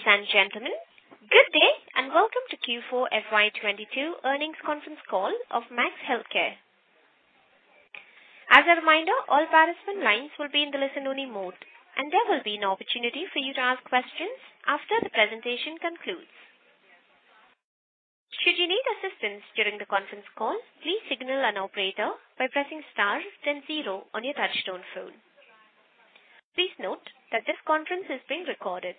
Ladies and gentlemen, good day, and welcome to Q4 FY 2022 Earnings Conference Call of Max Healthcare. As a reminder, all participant lines will be in the listen only mode, and there will be an opportunity for you to ask questions after the presentation concludes. Should you need assistance during the conference call, please signal an operator by pressing star then zero on your touchtone phone. Please note that this conference is being recorded.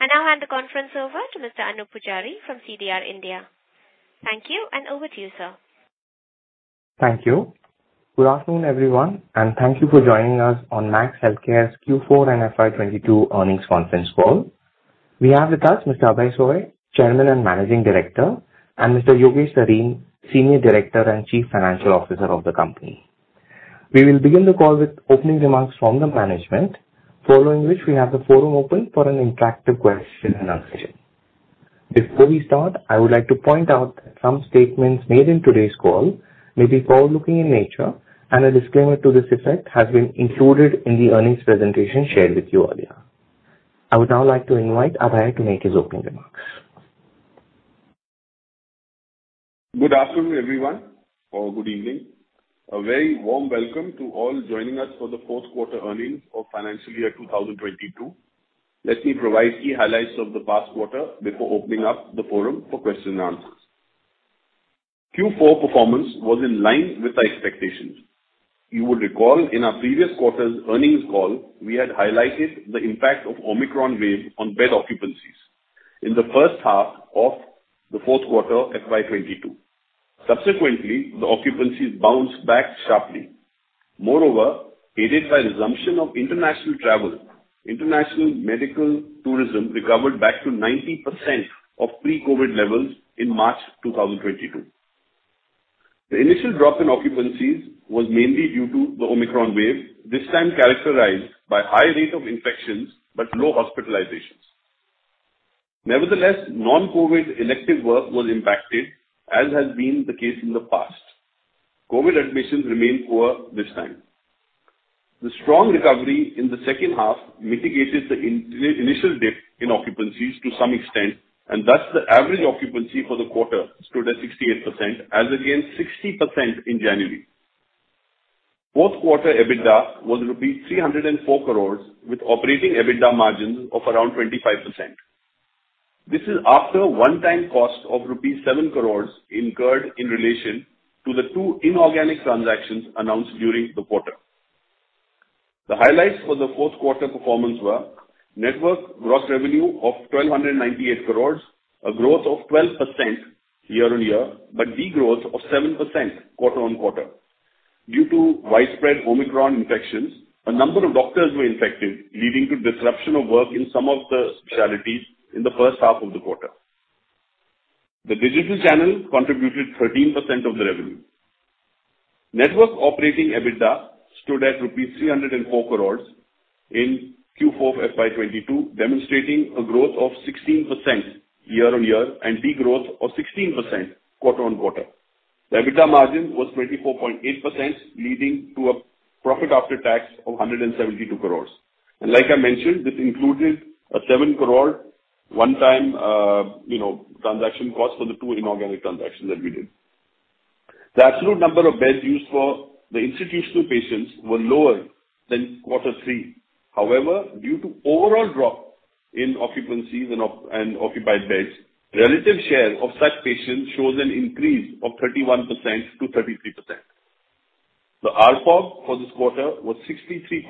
I now hand the conference over to Mr. Anoop Poojari from CDR India. Thank you, and over to you, sir. Thank you. Good afternoon, everyone, and thank you for joining us on Max Healthcare Institute's Q4 and FY 2022 earnings conference call. We have with us Mr. Abhay Soi, Chairman and Managing Director, and Mr. Yogesh Sareen, Senior Director and Chief Financial Officer of the company. We will begin the call with opening remarks from the management, following which we have the forum open for an interactive question and answer session. Before we start, I would like to point out that some statements made in today's call may be forward-looking in nature, and a disclaimer to this effect has been included in the earnings presentation shared with you earlier. I would now like to invite Abhay to make his opening remarks. Good afternoon, everyone, or good evening. A very warm welcome to all joining us for the fourth quarter earnings of financial year 2022. Let me provide key highlights of the past quarter before opening up the forum for questions and answers. Q4 performance was in line with our expectations. You will recall in our previous quarter's earnings call, we had highlighted the impact of Omicron wave on bed occupancies in the first half of the fourth quarter FY 2022. Subsequently, the occupancies bounced back sharply. Moreover, aided by resumption of international travel, international medical tourism recovered back to 90% of pre-COVID levels in March 2022. The initial drop in occupancies was mainly due to the Omicron wave, this time characterized by high rate of infections but low hospitalizations. Nevertheless, non-COVID elective work was impacted, as has been the case in the past. COVID admissions remained poor this time. The strong recovery in the second half mitigated the initial dip in occupancies to some extent, and thus the average occupancy for the quarter stood at 68% as against 60% in January. Fourth quarter EBITDA was rupees 304 crore, with operating EBITDA margins of around 25%. This is after one-time cost of rupees 7 crore incurred in relation to the two inorganic transactions announced during the quarter. The highlights for the fourth quarter performance were network gross revenue of 1,298 crore, a growth of 12% year-on-year, but degrowth of 7% quarter-on-quarter. Due to widespread Omicron infections, a number of doctors were infected, leading to disruption of work in some of the specialties in the first half of the quarter. The digital channel contributed 13% of the revenue. Network operating EBITDA stood at 304 crores rupees in Q4 of FY 2022, demonstrating a growth of 16% year-on-year and degrowth of 16% quarter-on-quarter. The EBITDA margin was 24.8%, leading to a profit after tax of 172 crores. Like I mentioned, this included a 7 crore rupees one-time, you know, transaction cost for the two inorganic transactions that we did. The absolute number of beds used for the institutional patients were lower than quarter three. However, due to overall drop in occupancies and occupied beds, relative share of such patients shows an increase of 31%-33%. The ARPOB for this quarter was 63,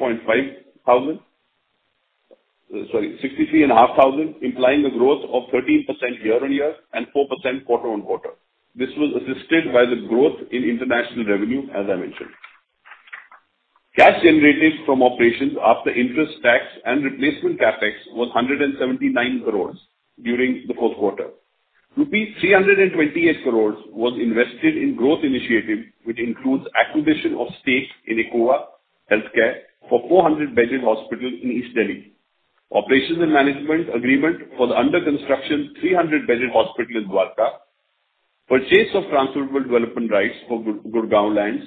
500. Sorry, 63,500, implying a growth of 13% year-on-year and 4% quarter-on-quarter. This was assisted by the growth in international revenue, as I mentioned. Cash generated from operations after interest, tax, and replacement CapEx was 179 crores during the fourth quarter. Rupees 328 crores was invested in growth initiatives, which includes acquisition of stake in Eqova Healthcare for 400-bedded hospital in East Delhi, operations and management agreement for the under construction 300-bedded hospital in Dwarka, purchase of transferable development rights for Gurgaon lands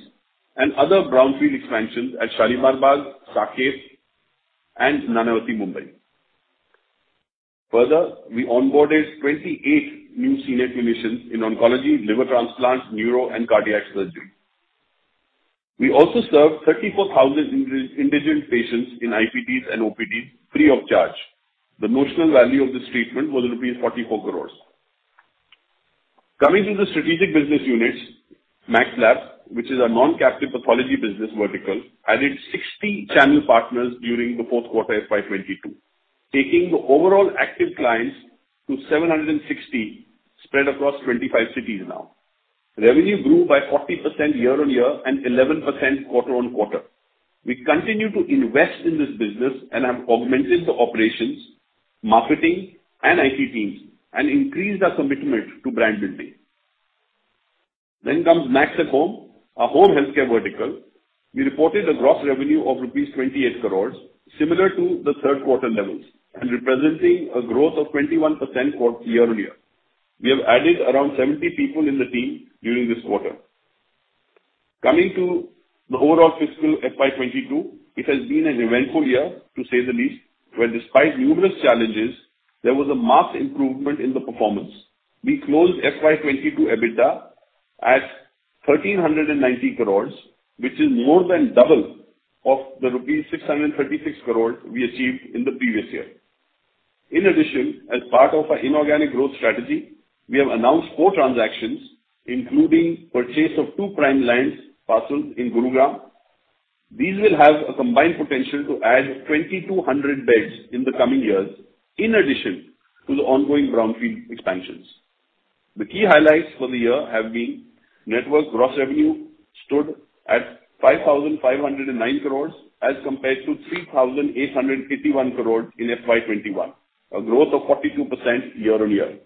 and other brownfield expansions at Shalimar Bagh, Saket, and Nanavati, Mumbai. Further, we onboarded 28 new senior clinicians in oncology, liver transplants, neuro and cardiac surgery. We also served 34,000 indigent patients in IPDs and OPDs free of charge. The notional value of this treatment was rupees 44 crores. Coming to the strategic business units, Max Lab, which is our non-captive pathology business vertical, added 60 channel partners during the fourth quarter FY 2022, taking the overall active clients to 760 spread across 25 cities now. Revenue grew by 40% year-on-year and 11% quarter-on-quarter. We continue to invest in this business and have augmented the operations, marketing and IT teams and increased our commitment to brand building. Max@Home, our home healthcare vertical. We reported a gross revenue of rupees 28 crore, similar to the third quarter levels and representing a growth of 21% year-on-year. We have added around 70 people in the team during this quarter. Coming to the overall fiscal FY 2022, it has been an eventful year to say the least, where despite numerous challenges, there was a massive improvement in the performance. We closed FY 2022 EBITDA at 1,390 crore, which is more than double of the rupees 636 crore we achieved in the previous year. In addition, as part of our inorganic growth strategy, we have announced four transactions, including purchase of two prime land parcels in Gurugram. These will have a combined potential to add 2,200 beds in the coming years in addition to the ongoing brownfield expansions. The key highlights for the year have been network gross revenue stood at 5,509 crore as compared to 3,851 crore in FY 2021, a growth of 42% year-on-year.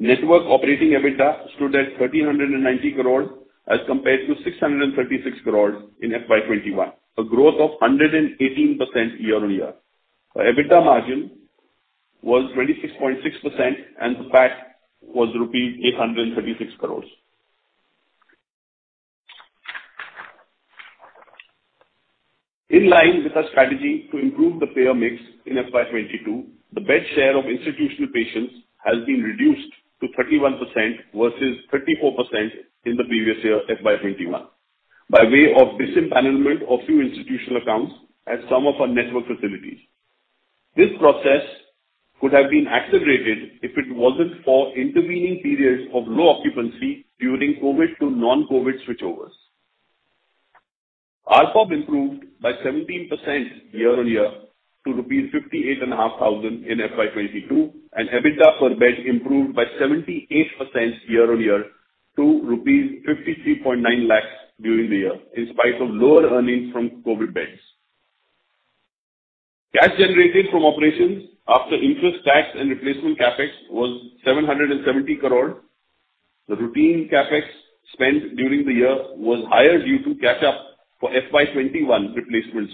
Network operating EBITDA stood at 1,390 crore as compared to 636 crore in FY 2021, a growth of 118% year-on-year. Our EBITDA margin was 26.6% and the PAT was INR 836 crore. In line with our strategy to improve the payer mix in FY 2022, the bed share of institutional patients has been reduced to 31% versus 34% in the previous year, FY 2021, by way of disempanelment of few institutional accounts at some of our network facilities. This process could have been accelerated if it wasn't for intervening periods of low occupancy during COVID to non-COVID switchovers. ARPOB improved by 17% year-on-year to rupees 58,500 in FY 2022, and EBITDA per bed improved by 78% year-on-year to rupees 53.9 lakh during the year, in spite of lower earnings from COVID beds. Cash generated from operations after interest, tax, and replacement CapEx was 770 crore. The routine CapEx spent during the year was higher due to catch up for FY 21 replacements.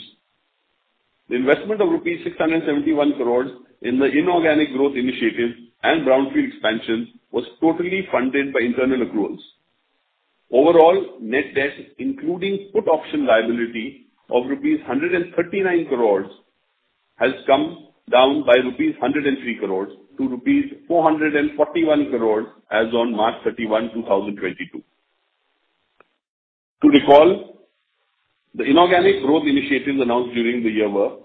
The investment of 671 crores rupees in the inorganic growth initiative and brownfield expansion was totally funded by internal accruals. Overall, net debt including put option liability of rupees 139 crores has come down by rupees 103 crores to rupees 441 crores as on March 31, 2022. To recall, the inorganic growth initiatives announced during the year were,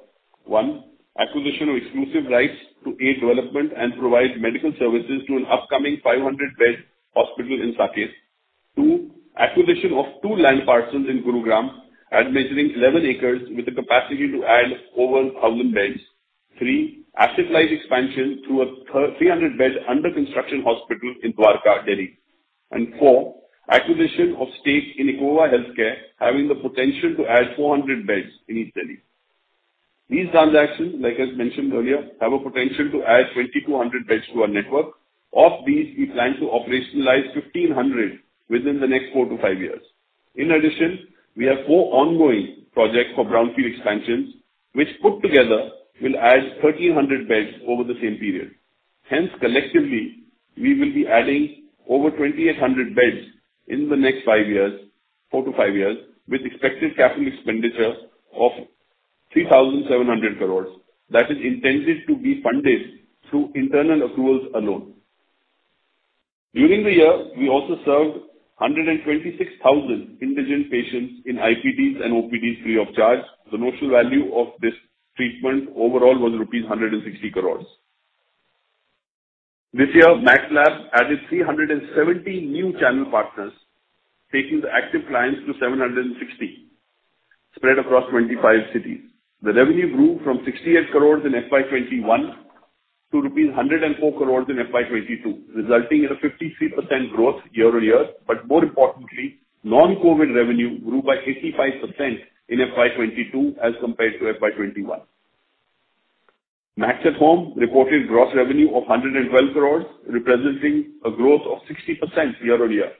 one, acquisition of exclusive rights to aid development and provide medical services to an upcoming 500-bed hospital in Saket. Two, acquisition of two land parcels in Gurugram measuring 11 acres with the capacity to add over 1,000 beds. Three, asset-light expansion through a three hundred-bed under-construction hospital in Dwarka, Delhi. Four, acquisition of stake in Eqova Healthcare, having the potential to add 400 beds in East Delhi. These transactions, like as mentioned earlier, have a potential to add 2,200 beds to our network. Of these, we plan to operationalize 1,500 within the next four to five years. In addition, we have four ongoing projects for brownfield expansions, which put together will add 1,300 beds over the same period. Hence, collectively, we will be adding over 2,800 beds in the next five years, four to five years, with expected capital expenditure of 3,700 crores that is intended to be funded through internal accruals alone. During the year, we also served 126,000 indigent patients in IPDs and OPDs free of charge. The notional value of this treatment overall was rupees 160 crores. This year, Max Lab added 370 new channel partners, taking the active clients to 760 spread across 25 cities. The revenue grew from 68 crores in FY 2021 to rupees 104 crores in FY 2022, resulting in a 53% growth year-on-year. More importantly, non-COVID revenue grew by 85% in FY 2022 as compared to FY 2021. Max At Home reported gross revenue of 112 crores, representing a growth of 60% year-on-year.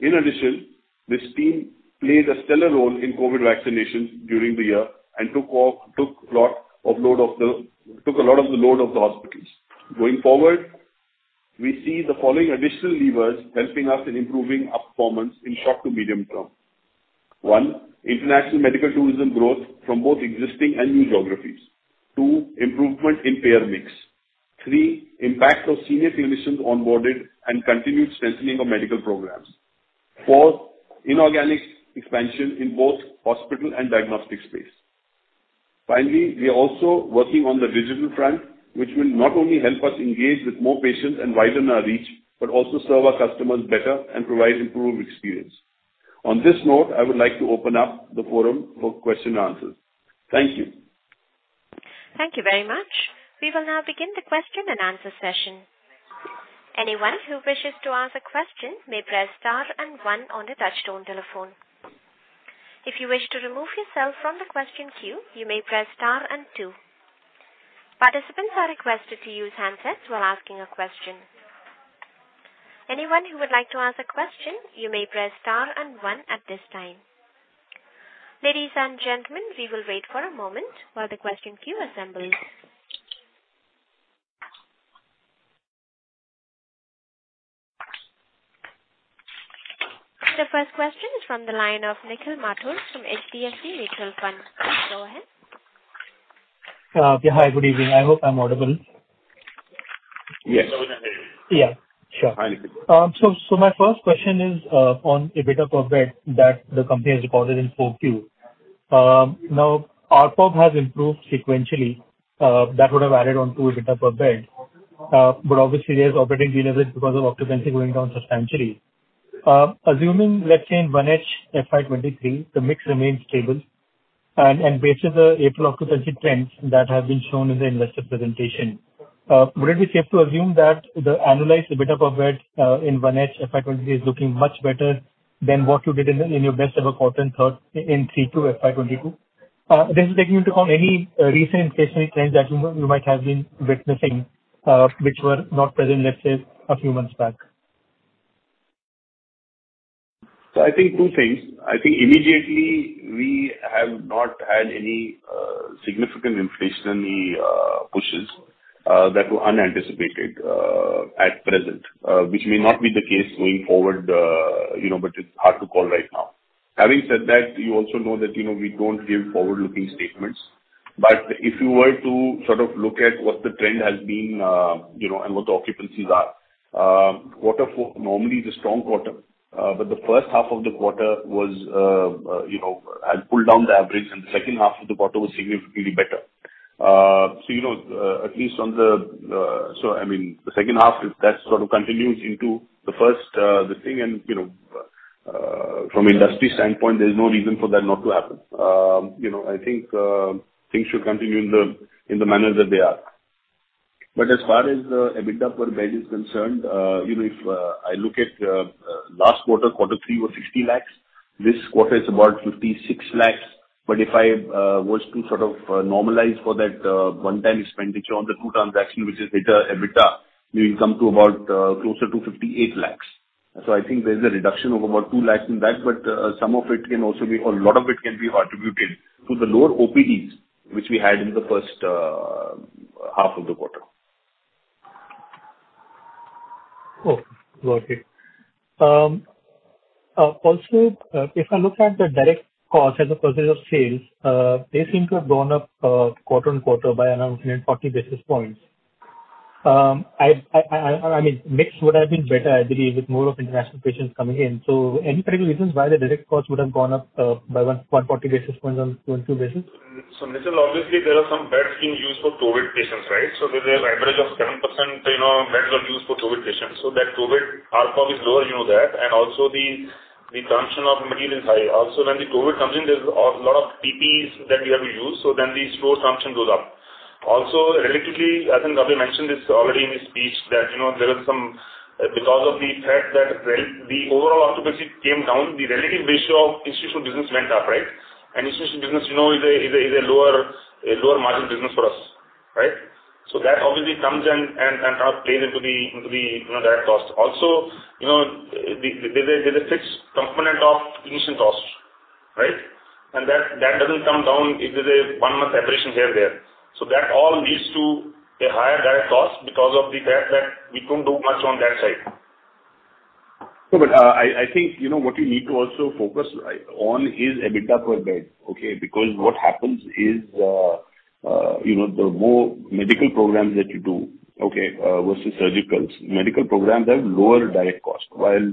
In addition, this team played a stellar role in COVID vaccinations during the year and took a lot of the load off the hospitals. Going forward, we see the following additional levers helping us in improving our performance in short to medium term. One, international medical tourism growth from both existing and new geographies. 2, improvement in payer mix. 3, impact of senior clinicians onboarded and continued strengthening of medical programs. 4, inorganic expansion in both hospital and diagnostic space. Finally, we are also working on the digital front, which will not only help us engage with more patients and widen our reach, but also serve our customers better and provide improved experience. On this note, I would like to open up the forum for question and answers. Thank you. Thank you very much. We will now begin the question and answer session. Anyone who wishes to ask a question may press star and one on the touchtone telephone. If you wish to remove yourself from the question queue, you may press star and two. Participants are requested to use handsets while asking a question. Anyone who would like to ask a question, you may press star and one at this time. Ladies and gentlemen, we will wait for a moment while the question queue assembles. The first question is from the line of Nikhil Mathur from HDFC Mutual Fund. Please go ahead. Yeah. Hi. Good evening. I hope I'm audible. Yes. Yeah, sure. Hi, Nikhil. My first question is on EBITDA per bed that the company has reported in Q4. Now, ARPOB has improved sequentially, that would have added on to EBITDA per bed, but obviously there's operating leverage because of occupancy going down substantially. Assuming, let's say, in 1H FY 2023, the mix remains stable and based on the April occupancy trends that have been shown in the investor presentation, would it be safe to assume that the annualized EBITDA per bed in 1H FY 2023 is looking much better than what you did in your best ever quarter in Q3 FY 2022? This is taking into account any recent inflationary trends that you might have been witnessing, which were not present, let's say a few months back. I think two things. I think immediately we have not had any significant inflationary pushes that were unanticipated at present, which may not be the case going forward, but it's hard to call right now. Having said that, you also know that we don't give forward-looking statements. If you were to sort of look at what the trend has been, and what the occupancies are, quarter four normally is a strong quarter, but the first half of the quarter had pulled down the average, and the second half of the quarter was significantly better. you know, at least on the, I mean, the second half, if that sort of continues into the first, this thing and, you know, from industry standpoint, there's no reason for that not to happen. you know, I think, things should continue in the manner that they are. As far as the EBITDA per bed is concerned, you know, if I look at last quarter three was 60 lakhs. This quarter is about 56 lakhs. if I was to sort of normalize for that, one-time expenditure on the two transaction, which is EBITDA, we will come to about closer to 58 lakhs. I think there's a reduction of about 2 lakhs in that. Some of it can also be or a lot of it can be attributed to the lower OpEx, which we had in the first half of the quarter. Okay. Got it. Also, if I look at the direct costs as a percentage of sales, they seem to have gone up quarter-over-quarter by around 140 basis points. I mean, mix would have been better, I believe, with more of international patients coming in. Any particular reasons why the direct costs would have gone up by 140 basis points on two basis? Nikhil, obviously, there are some beds being used for COVID patients, right? There's an average of 10%, you know, beds are used for COVID patients. That COVID ARPOB is lower, you know that. And also the consumption of material is high. Also, when the COVID comes in, there's a lot of PPEs that we have to use. Then the store consumption goes up. Also, relatively, I think Abhay mentioned this already in his speech that you know there are some because of the fact that the overall occupancy came down, the relative ratio of institutional business went up, right? And institutional business, you know, is a lower margin business for us, right? That obviously comes in and plays into the you know direct cost. You know, there's a fixed component of initial costs, right? That doesn't come down if there's a one-month aberration here or there. That all leads to a higher direct cost because of the fact that we couldn't do much on that side. No, I think you know what you need to also focus on is EBITDA per bed, okay? Because what happens is, you know, the more medical programs that you do, okay, versus surgicals, medical programs have lower direct cost while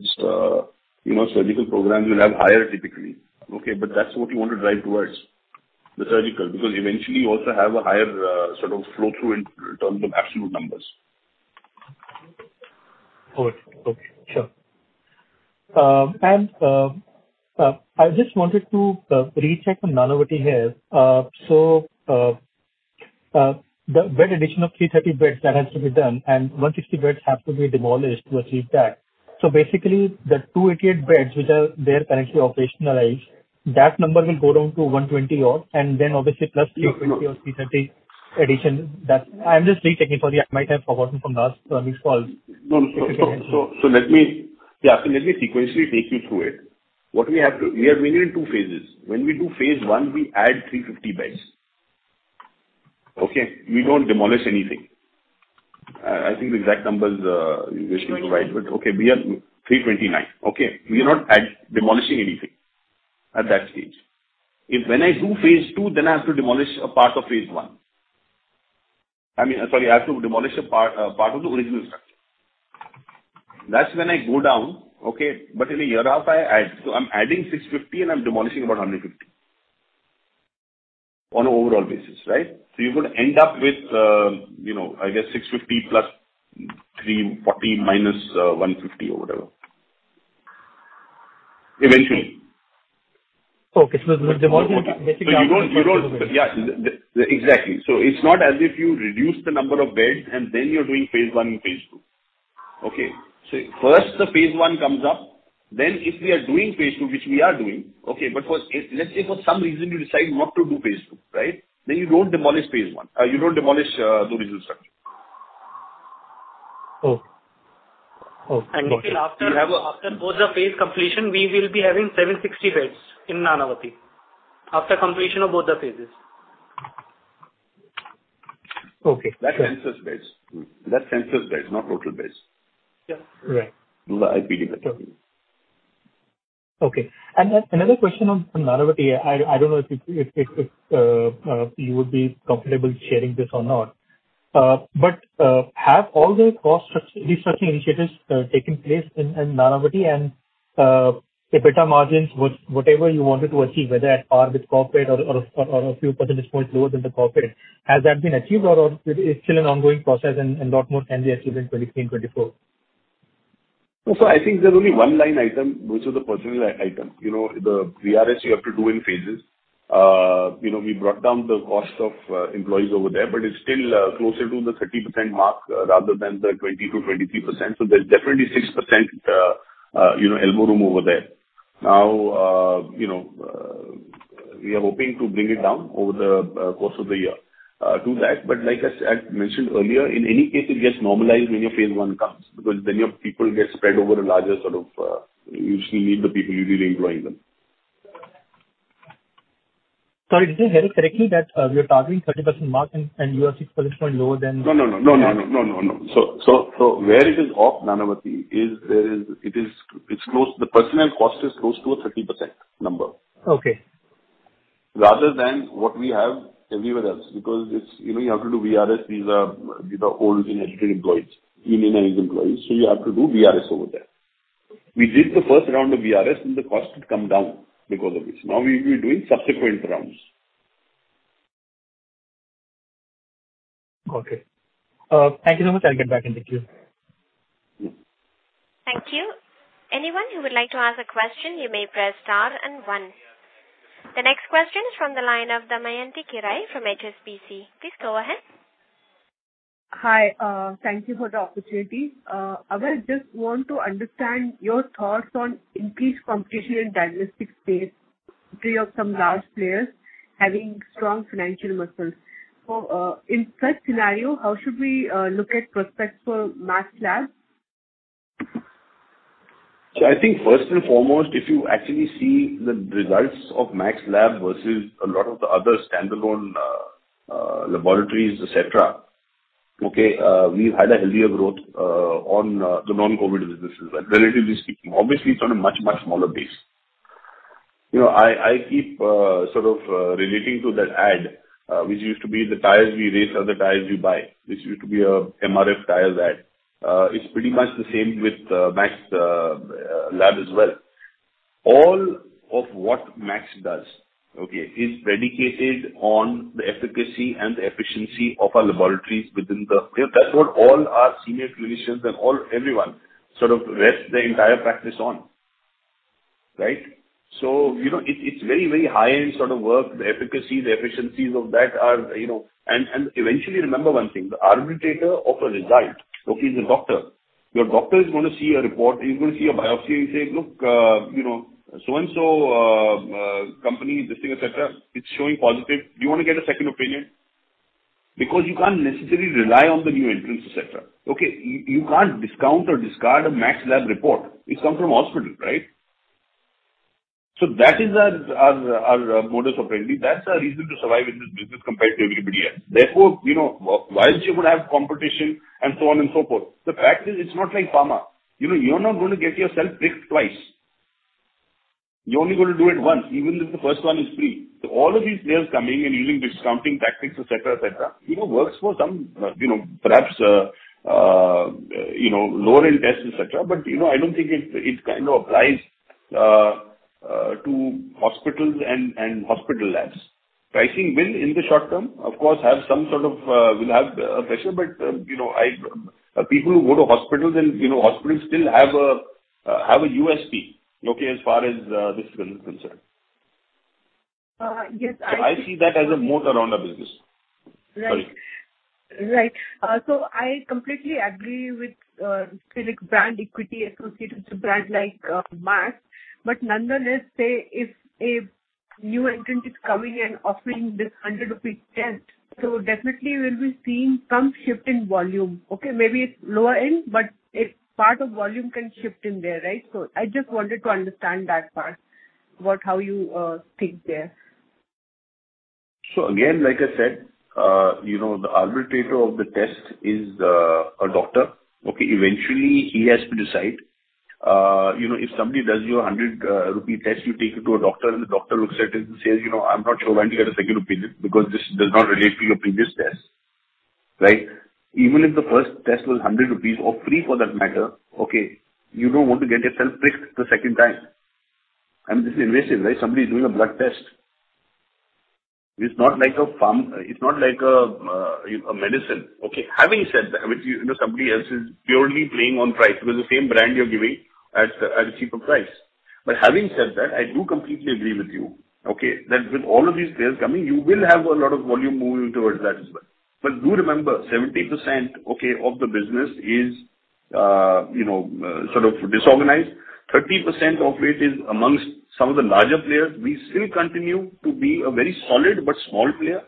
surgical programs will have higher typically. Okay, that's what you want to drive towards, the surgical because eventually you also have a higher sort of flow through in terms of absolute numbers. Got it. Okay. Sure. I just wanted to recheck on Nanavati here. The bed addition of 330 beds that has to be done and 160 beds have to be demolished to achieve that. Basically the 288 beds which are there currently operationalized, that number will go down to 120 or, and then obviously +320 or +330 addition. That's. I'm just rechecking. Sorry, I might have forgotten from last earnings call. No, no. Let me sequentially take you through it. Yeah. We are doing it in two phases. When we do phase one, we add 350 beds. Okay? We don't demolish anything. I think the exact numbers, 329. Okay, we are 329. Okay? We are not demolishing anything at that stage. If when I do phase two, then I have to demolish a part of phase one. I mean, sorry, I have to demolish a part of the original structure. That's when I go down. Okay? In a year and a half, I add. I'm adding 650 and I'm demolishing about 150 on an overall basis, right? You're gonna end up with, you know, I guess 650 plus 340 minus 150 or whatever. Eventually. Okay. You don't. Exactly. It's not as if you reduce the number of beds and then you're doing phase one and phase two. Okay? First the phase one comes up, then if we are doing phase two, which we are doing, okay, but let's say for some reason you decide not to do phase two, right? You don't demolish phase one. You don't demolish the original structure. Oh. Oh. Nikhil, after both the phase completion we will be having 760 beds in Nanavati. After completion of both the phases. Okay. That's census-based, not total based. Yeah. Right. The IPD method. Okay. Another question on Nanavati. I don't know if you would be comfortable sharing this or not. Have all the cost structure restructuring initiatives taken place in Nanavati and EBITDA margins, whatever you wanted to achieve, whether at par with corporate or a few percentage points lower than the corporate, has that been achieved or it's still an ongoing process and lot more can be achieved in 2023 and 2024? I think there's only one line item, which is the personnel item. You know, the VRS you have to do in phases. You know, we brought down the cost of employees over there, but it's still closer to the 30% mark rather than the 20%-23%. There's definitely 6% elbow room over there. You know, we are hoping to bring it down over the course of the year to that, but like I mentioned earlier, in any case it gets normalized when your phase one comes, because then your people get spread over a larger sort of. You still need the people, you re-employing them. Sorry. Did I hear it correctly that we are targeting 30% mark and you are 6 percentage points lower than- No, no. Where it is off Nanavati is, it's close. The personnel cost is close to a 30% number. Okay. Rather than what we have everywhere else. Because it's, you know, you have to do VRS. These are old and elderly employees. Senior age employees, so you have to do VRS over there. We did the first round of VRS, and the cost had come down because of it. Now we're doing subsequent rounds. Okay. Thank you so much. I'll get back in. Thank you. Thank you. Anyone who would like to ask a question, you may press star and one. The next question is from the line of Damayanti Kerai from HSBC. Please go ahead. Hi. Thank you for the opportunity. I just want to understand your thoughts on increased competition in diagnostic space due to some large players having strong financial muscles. In such scenario, how should we look at prospects for Max Lab? I think first and foremost, if you actually see the results of Max Lab versus a lot of the other standalone laboratories, et cetera, okay, we've had a healthier growth on the non-COVID businesses, relatively speaking. Obviously it's on a much, much smaller base. You know, I keep sort of relating to that ad, which used to be the tires we race are the tires you buy. This used to be a MRF tire ad. It's pretty much the same with Max Lab as well. All of what Max does, okay, is predicated on the efficacy and the efficiency of our laboratories within the. That's what all our senior clinicians and all everyone sort of rest their entire practice on. Right? You know, it's very, very high-end sort of work. The efficacy, the efficiencies of that are, you know. Eventually remember one thing: the arbitrator of a result, okay, is a doctor. Your doctor is gonna see a report. He's gonna see a biopsy and say, "Look, you know, so and so, company, this thing, et cetera, it's showing positive. Do you wanna get a second opinion?" Because you can't necessarily rely on the new entrants, et cetera. Okay, you can't discount or discard a Max Lab report. It's come from hospital, right? That is our modus operandi. That's our reason to survive in this business compared to everybody else. Therefore, you know, while you're gonna have competition and so on and so forth, the fact is it's not like pharma. You know, you're not gonna get yourself pricked twice. You're only gonna do it once, even if the first one is free. All of these players coming and using discounting tactics, et cetera, et cetera, you know, works for some, you know, perhaps, you know, lower end tests, et cetera. You know, I don't think it kind of applies to hospitals and hospital labs. Pricing will in the short term, of course, have some sort of pressure. You know, people who go to hospitals and hospitals still have a USP, okay, as far as this is concerned. Yes. I see that as a moat around our business. Right. Sorry. Right. I completely agree with still brand equity associated to brand like Max. Nonetheless, say if a new entrant is coming and offering this 100 rupees test, definitely we'll be seeing some shift in volume. Okay, maybe it's lower end, but a part of volume can shift in there, right? I just wanted to understand that part, how you think there. Again, like I said, you know, the arbiter of the test is a doctor. Okay? Eventually he has to decide. You know, if somebody does you an 100 rupee test, you take it to a doctor and the doctor looks at it and says, "You know, I'm not sure. Why don't you get a second opinion because this does not relate to your previous test." Right? Even if the first test was 100 rupees or free for that matter, okay, you don't want to get yourself pricked a second time. I mean, this is invasive, right? Somebody is doing a blood test. It's not like a medicine. Okay. Having said that, which, you know, somebody else is purely playing on price with the same brand you're giving at a cheaper price. Having said that, I do completely agree with you, okay, that with all of these players coming, you will have a lot of volume moving towards that as well. Do remember 70%, okay, of the business is, you know, sort of disorganized. 30% of it is among some of the larger players. We still continue to be a very solid but small player.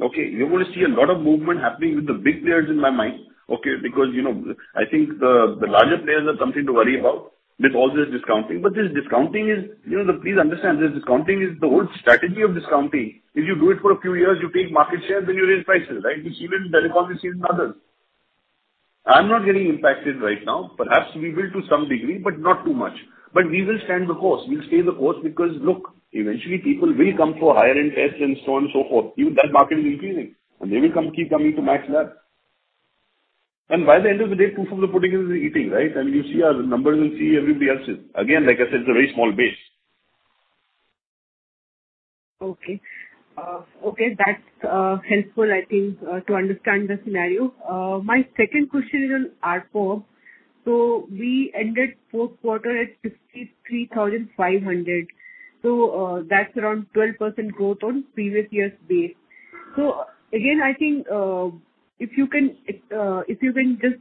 Okay? You're gonna see a lot of movement happening with the big players in my mind, okay, because, you know, I think the larger players are something to worry about. With all this discounting. This discounting is, you know, please understand, this discounting is the old strategy of discounting. If you do it for a few years, you take market share, then you raise prices, right? You see that in telecom, you see it in others. I'm not getting impacted right now. Perhaps we will to some degree, but not too much. We will stand the course. We'll stay the course because, look, eventually people will come for higher-end tests and so on and so forth. Even that market is increasing, and they will come, keep coming to Max Lab. By the end of the day, proof of the pudding is in the eating, right? You see our numbers and see everybody else's. Again, like I said, it's a very small base. Okay. Okay, that's helpful I think to understand the scenario. My second question is on ARPOB. We ended fourth quarter at 53,500. That's around 12% growth on previous year's base. Again, I think if you can just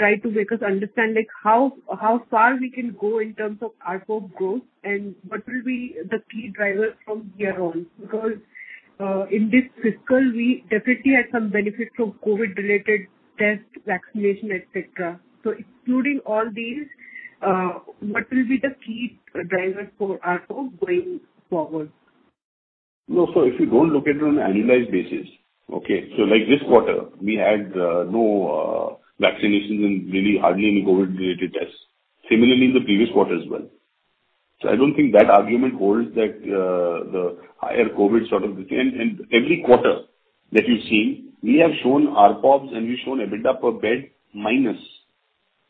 try to make us understand, like, how far we can go in terms of ARPOB growth and what will be the key drivers from here on? Because in this fiscal we definitely had some benefit from COVID-related tests, vaccination, et cetera. Excluding all these, what will be the key drivers for ARPOB going forward? No. If you don't look at it on an annualized basis, okay? Like this quarter we had no vaccinations and really hardly any COVID-related tests. Similarly in the previous quarter as well. I don't think that argument holds that the higher COVID sort of. Every quarter that you've seen, we have shown ARPOBs and we've shown EBITDA per bed minus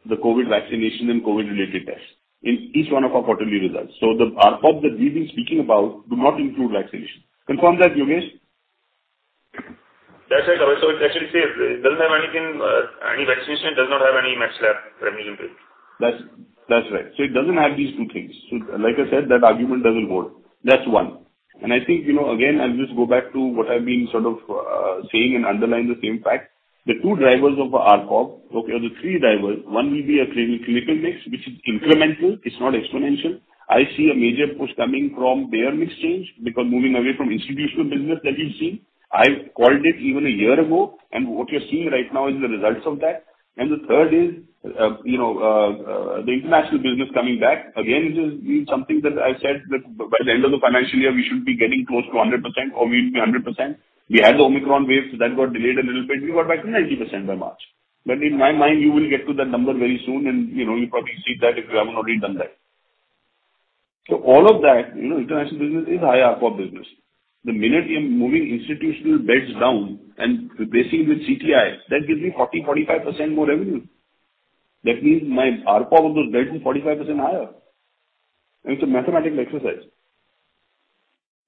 the COVID vaccination and COVID-related tests in each one of our quarterly results. The ARPOB that we've been speaking about do not include vaccinations. Confirm that, Yogesh. That's right. It actually says it doesn't have anything, any vaccination does not have any Max Lab revenue impact. That's right. It doesn't have these two things. Like I said, that argument doesn't hold. That's one. I think, you know, again, I'll just go back to what I've been sort of saying and underline the same fact. The two drivers of ARPOB, okay, or the three drivers, one will be a clinical mix, which is incremental. It's not exponential. I see a major push coming from payer mix change because moving away from institutional business that you've seen. I called it even a year ago, and what you're seeing right now is the results of that. The third is, you know, the international business coming back. Again, this is something that I said that by the end of the financial year we should be getting close to 100% or we'll be 100%. We had the Omicron wave, so that got delayed a little bit. We got back to 90% by March. In my mind, you will get to that number very soon and, you know, you'll probably see that if you haven't already done that. All of that, you know, international business is high ARPOB business. The minute you're moving institutional beds down and replacing with CTIs, that gives me 40-45% more revenue. That means my ARPOB of those beds is 45% higher. It's a mathematical exercise.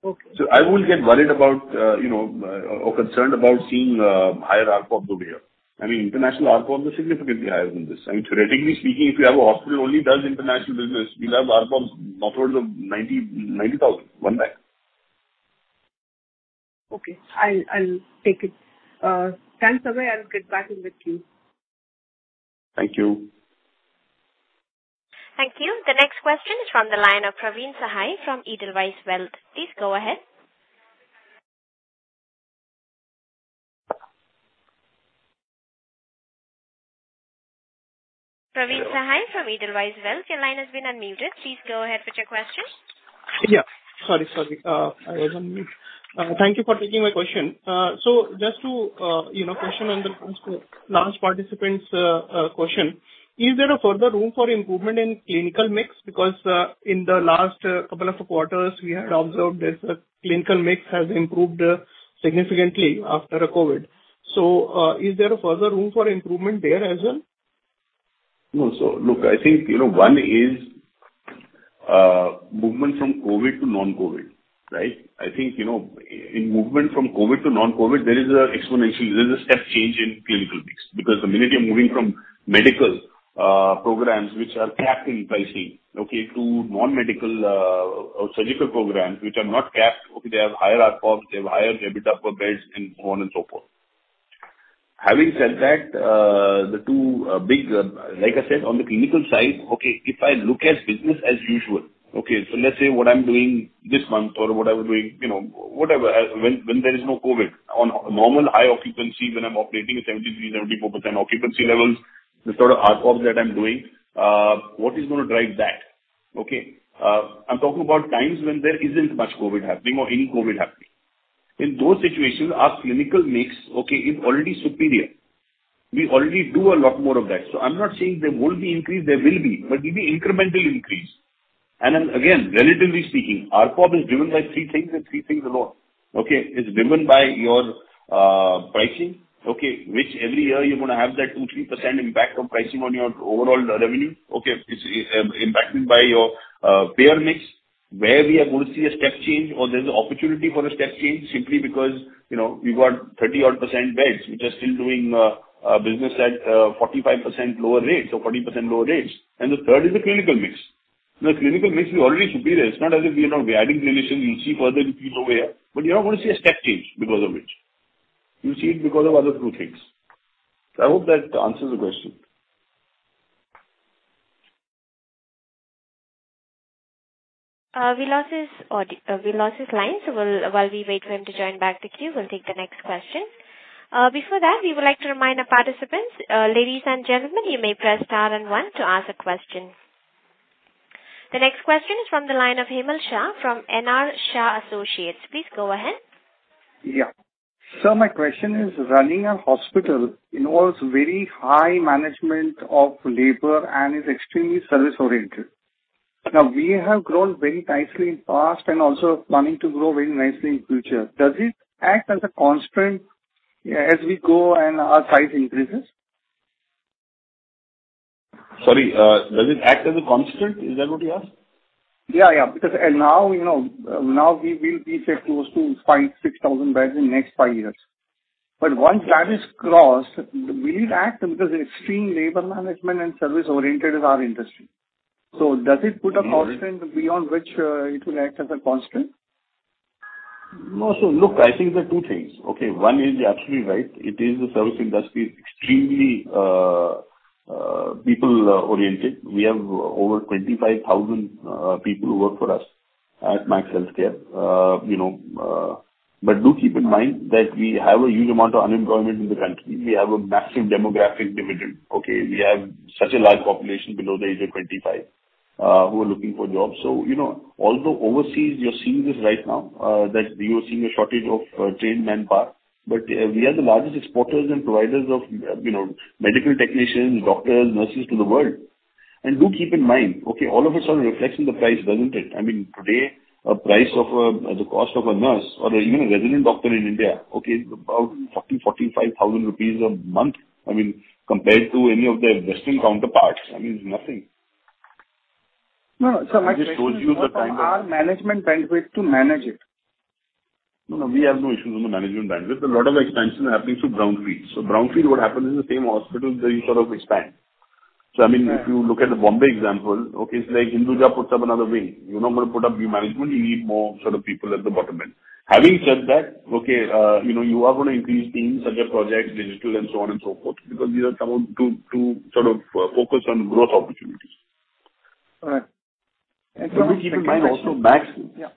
Okay. I won't get worried about or concerned about seeing higher ARPOBs over here. I mean, international ARPOBs are significantly higher than this. I mean, theoretically speaking, if you have a hospital only does international business, we'll have ARPOBs northwards of 90,000, 1 lakh. Okay. I'll take it. Thanks again. I'll get back in the queue. Thank you. Thank you. The next question is from the line of Praveen Sahay from Edelweiss Wealth. Please go ahead. Praveen Sahay from Edelweiss Wealth, your line has been unmuted. Please go ahead with your question. Yeah. Sorry, I was on mute. Thank you for taking my question. Just to, you know, question on the last participant's question. Is there a further room for improvement in clinical mix? Because, in the last couple of quarters we had observed that the clinical mix has improved significantly after COVID. Is there a further room for improvement there as well? No. Look, I think, you know, one is movement from COVID to non-COVID, right? I think, you know, in movement from COVID to non-COVID there is a exponential, there's a step change in clinical mix because the minute you're moving from medical programs which are capped in pricing, okay, to non-medical or surgical programs which are not capped, okay, they have higher ARPOBs, they have higher EBITDA per beds and so on and so forth. Having said that, the two big, like I said, on the clinical side, okay, if I look at business as usual, okay, let's say what I'm doing this month or what I was doing, you know, whatever, when there is no COVID. On normal high occupancy when I'm operating at 73%-74% occupancy levels, the sort of ARPOBs that I'm doing, what is gonna drive that? Okay? I'm talking about times when there isn't much COVID happening or any COVID happening. In those situations, our clinical mix, okay, is already superior. We already do a lot more of that. I'm not saying there won't be increase, there will be, but it'll be incremental increase. Relatively speaking, ARPOB is driven by three things and three things alone. Okay? It's driven by your pricing, okay, which every year you're gonna have that 2%-3% impact of pricing on your overall revenue, okay? It's impacted by your payer mix where we are going to see a step change or there's an opportunity for a step change simply because, you know, we've got 30-odd% beds which are still doing business at 45% lower rates or 40% lower rates. The third is the clinical mix. Now clinical mix we're already superior. It's not as if we are not. We're adding clinicians. We'll see further increase over here, but you're not gonna see a step change because of it. You'll see it because of other two things. I hope that answers the question. We lost his line. While we wait for him to join back the queue, we'll take the next question. Before that, we would like to remind our participants, ladies and gentlemen, you may press star and one to ask a question. The next question is from the line of Hemal Shah from NR Shah Associates. Please go ahead. Yeah. Sir, my question is running a hospital involves very high management of labor and is extremely service-oriented. Now, we have grown very nicely in past and also planning to grow very nicely in future. Does it act as a constraint as we go and our size increases? Sorry, does it act as a constraint? Is that what you asked? Yeah, yeah. Now, you know, we'll be set close to 5000-6000 beds in next five years. Once that is crossed, will it act because extreme labor management and service-oriented is our industry. Does it put a constraint? Mm-hmm. beyond which, it will act as a constraint? No. Look, I think there are two things. Okay, one is you're absolutely right. It is a service industry, extremely, people oriented. We have over 25,000 people who work for us at Max Healthcare. You know, but do keep in mind that we have a huge amount of unemployment in the country. We have a massive demographic dividend. Okay? We have such a large population below the age of 25, who are looking for jobs. You know, although overseas you're seeing this right now, that you're seeing a shortage of trained manpower, but we are the largest exporters and providers of, you know, medical technicians, doctors, nurses to the world. Do keep in mind, okay, all of it's sort of reflects in the price, doesn't it? I mean, today, the cost of a nurse or even a resident doctor in India, okay, is about 40,000-45,000 rupees a month. I mean, compared to any of their Western counterparts, I mean, it's nothing. No, no. Sir, my question is. It just shows you the kind of our management bandwidth to manage it. No, no, we have no issues on the management bandwidth. A lot of expansion happening through brownfield. Brownfield, what happens is the same hospital, they sort of expand. Yeah. I mean, if you look at the Mumbai example, it's like Hinduja puts up another wing. You're not gonna put up new management. You need more sort of people at the bottom end. Having said that, okay, you know, you are gonna increase teams, such as projects, digital and so on and so forth, because these are some of to sort of focus on growth opportunities. All right. Sir, my next question. Do keep in mind also Max. Yeah.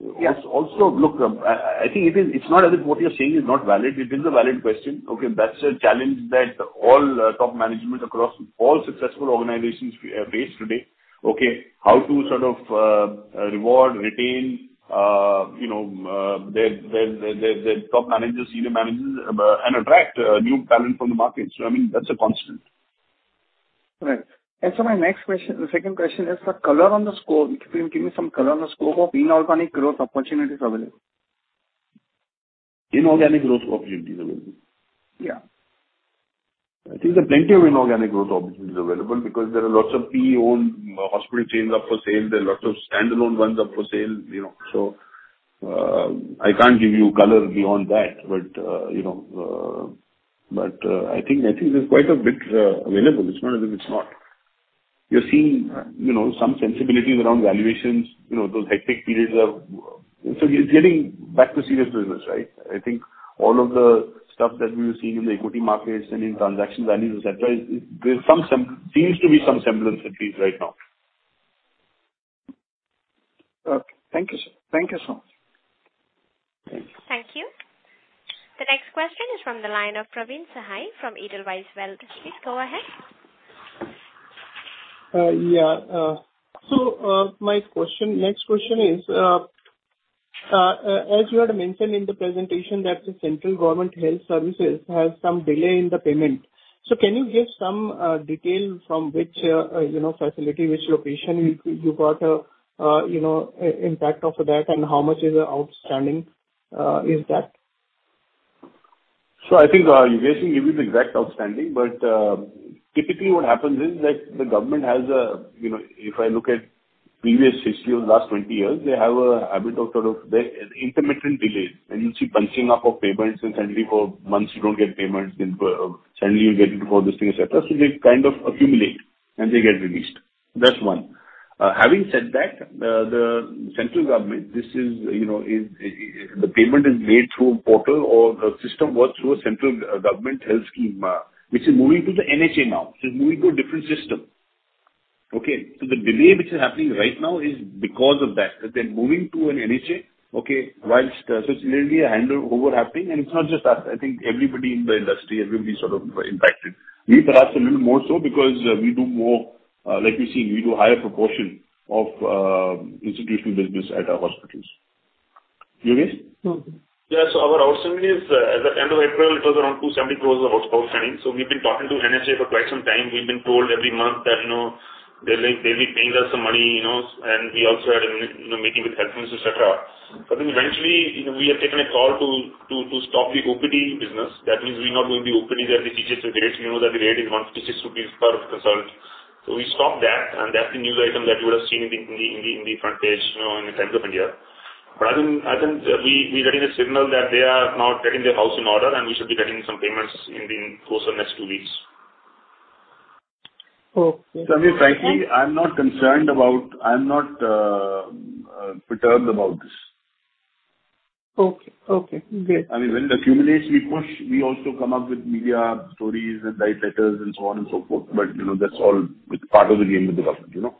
Yeah. Look, I think it is. It's not as if what you're saying is not valid. It is a valid question. Okay? That's a challenge that all top management across all successful organizations face today. Okay? How to sort of reward, retain, you know, their top managers, senior managers, and attract new talent from the market. I mean, that's a constant. Right. Sir my next question, the second question is the color on the scope. Can you give me some color on the scope of inorganic growth opportunities available? Inorganic growth opportunities available? Yeah. I think there are plenty of inorganic growth opportunities available because there are lots of PE-owned hospital chains up for sale. There are lots of standalone ones up for sale, you know. I can't give you color beyond that. You know, I think there's quite a bit available. It's not as if it's not. You're seeing. Right. You know, some sensibilities around valuations. You know, those hectic periods. It's getting back to serious business, right? I think all of the stuff that we were seeing in the equity markets and in transaction values, et cetera, is. There's some sim- Mm-hmm. Seems to be some semblance of peace right now. Okay. Thank you, sir. Thank you so much. Thanks. Thank you. The next question is from the line of Praveen Sahay from Edelweiss Wealth. Please go ahead. Yeah. My next question is, as you had mentioned in the presentation that the Central Government Health Scheme has some delay in the payment. Can you give some detail from which, you know, facility, which location you got a, you know, impact of that and how much is the outstanding, is that? I think we basically gave you the exact outstanding, but typically what happens is that the government has a, you know, if I look at previous history over the last 20 years, they have a habit of sort of the intermittent delays. You see bunching up of payments and suddenly for months you don't get payments, then suddenly you get it for this thing, et cetera. They kind of accumulate, and they get released. That's one. Having said that, the central government, this is, you know, the payment is made through a portal or the system works through a central government health scheme, which is moving to the NHA now. It's moving to a different system. Okay. The delay which is happening right now is because of that they're moving to an NHA, okay, whilst. It's literally a handover happening. It's not just us. I think everybody in the industry, everybody is sort of impacted. We perhaps a little more so because we do more, like we've seen, we do a higher proportion of institutional business at our hospitals. Yogesh? Mm-hmm. Yeah. Our outstanding is, as at end of April, it was around 270 crores outstanding. We've been talking to NHA for quite some time. We've been told every month that, you know, they're like, they'll be paying us some money, you know, and we also had a meeting with Health Minister, etc. Eventually, you know, we have taken a call to stop the OPD business. That means we're not doing the OPD there. The charges, the rates, you know, the rate is 156 rupees per consult. We stopped that, and that's the news item that you would have seen in the front page, you know, in The Times of India. I think we're getting a signal that they are now getting their house in order, and we should be getting some payments in the course of next two weeks. Okay. Sandeep, frankly, I'm not concerned about this. I'm not perturbed about this. Okay. Okay, great. I mean, when the accumulation we push, we also come up with media stories and write letters and so on and so forth. You know, that's all part of the game with the government, you know.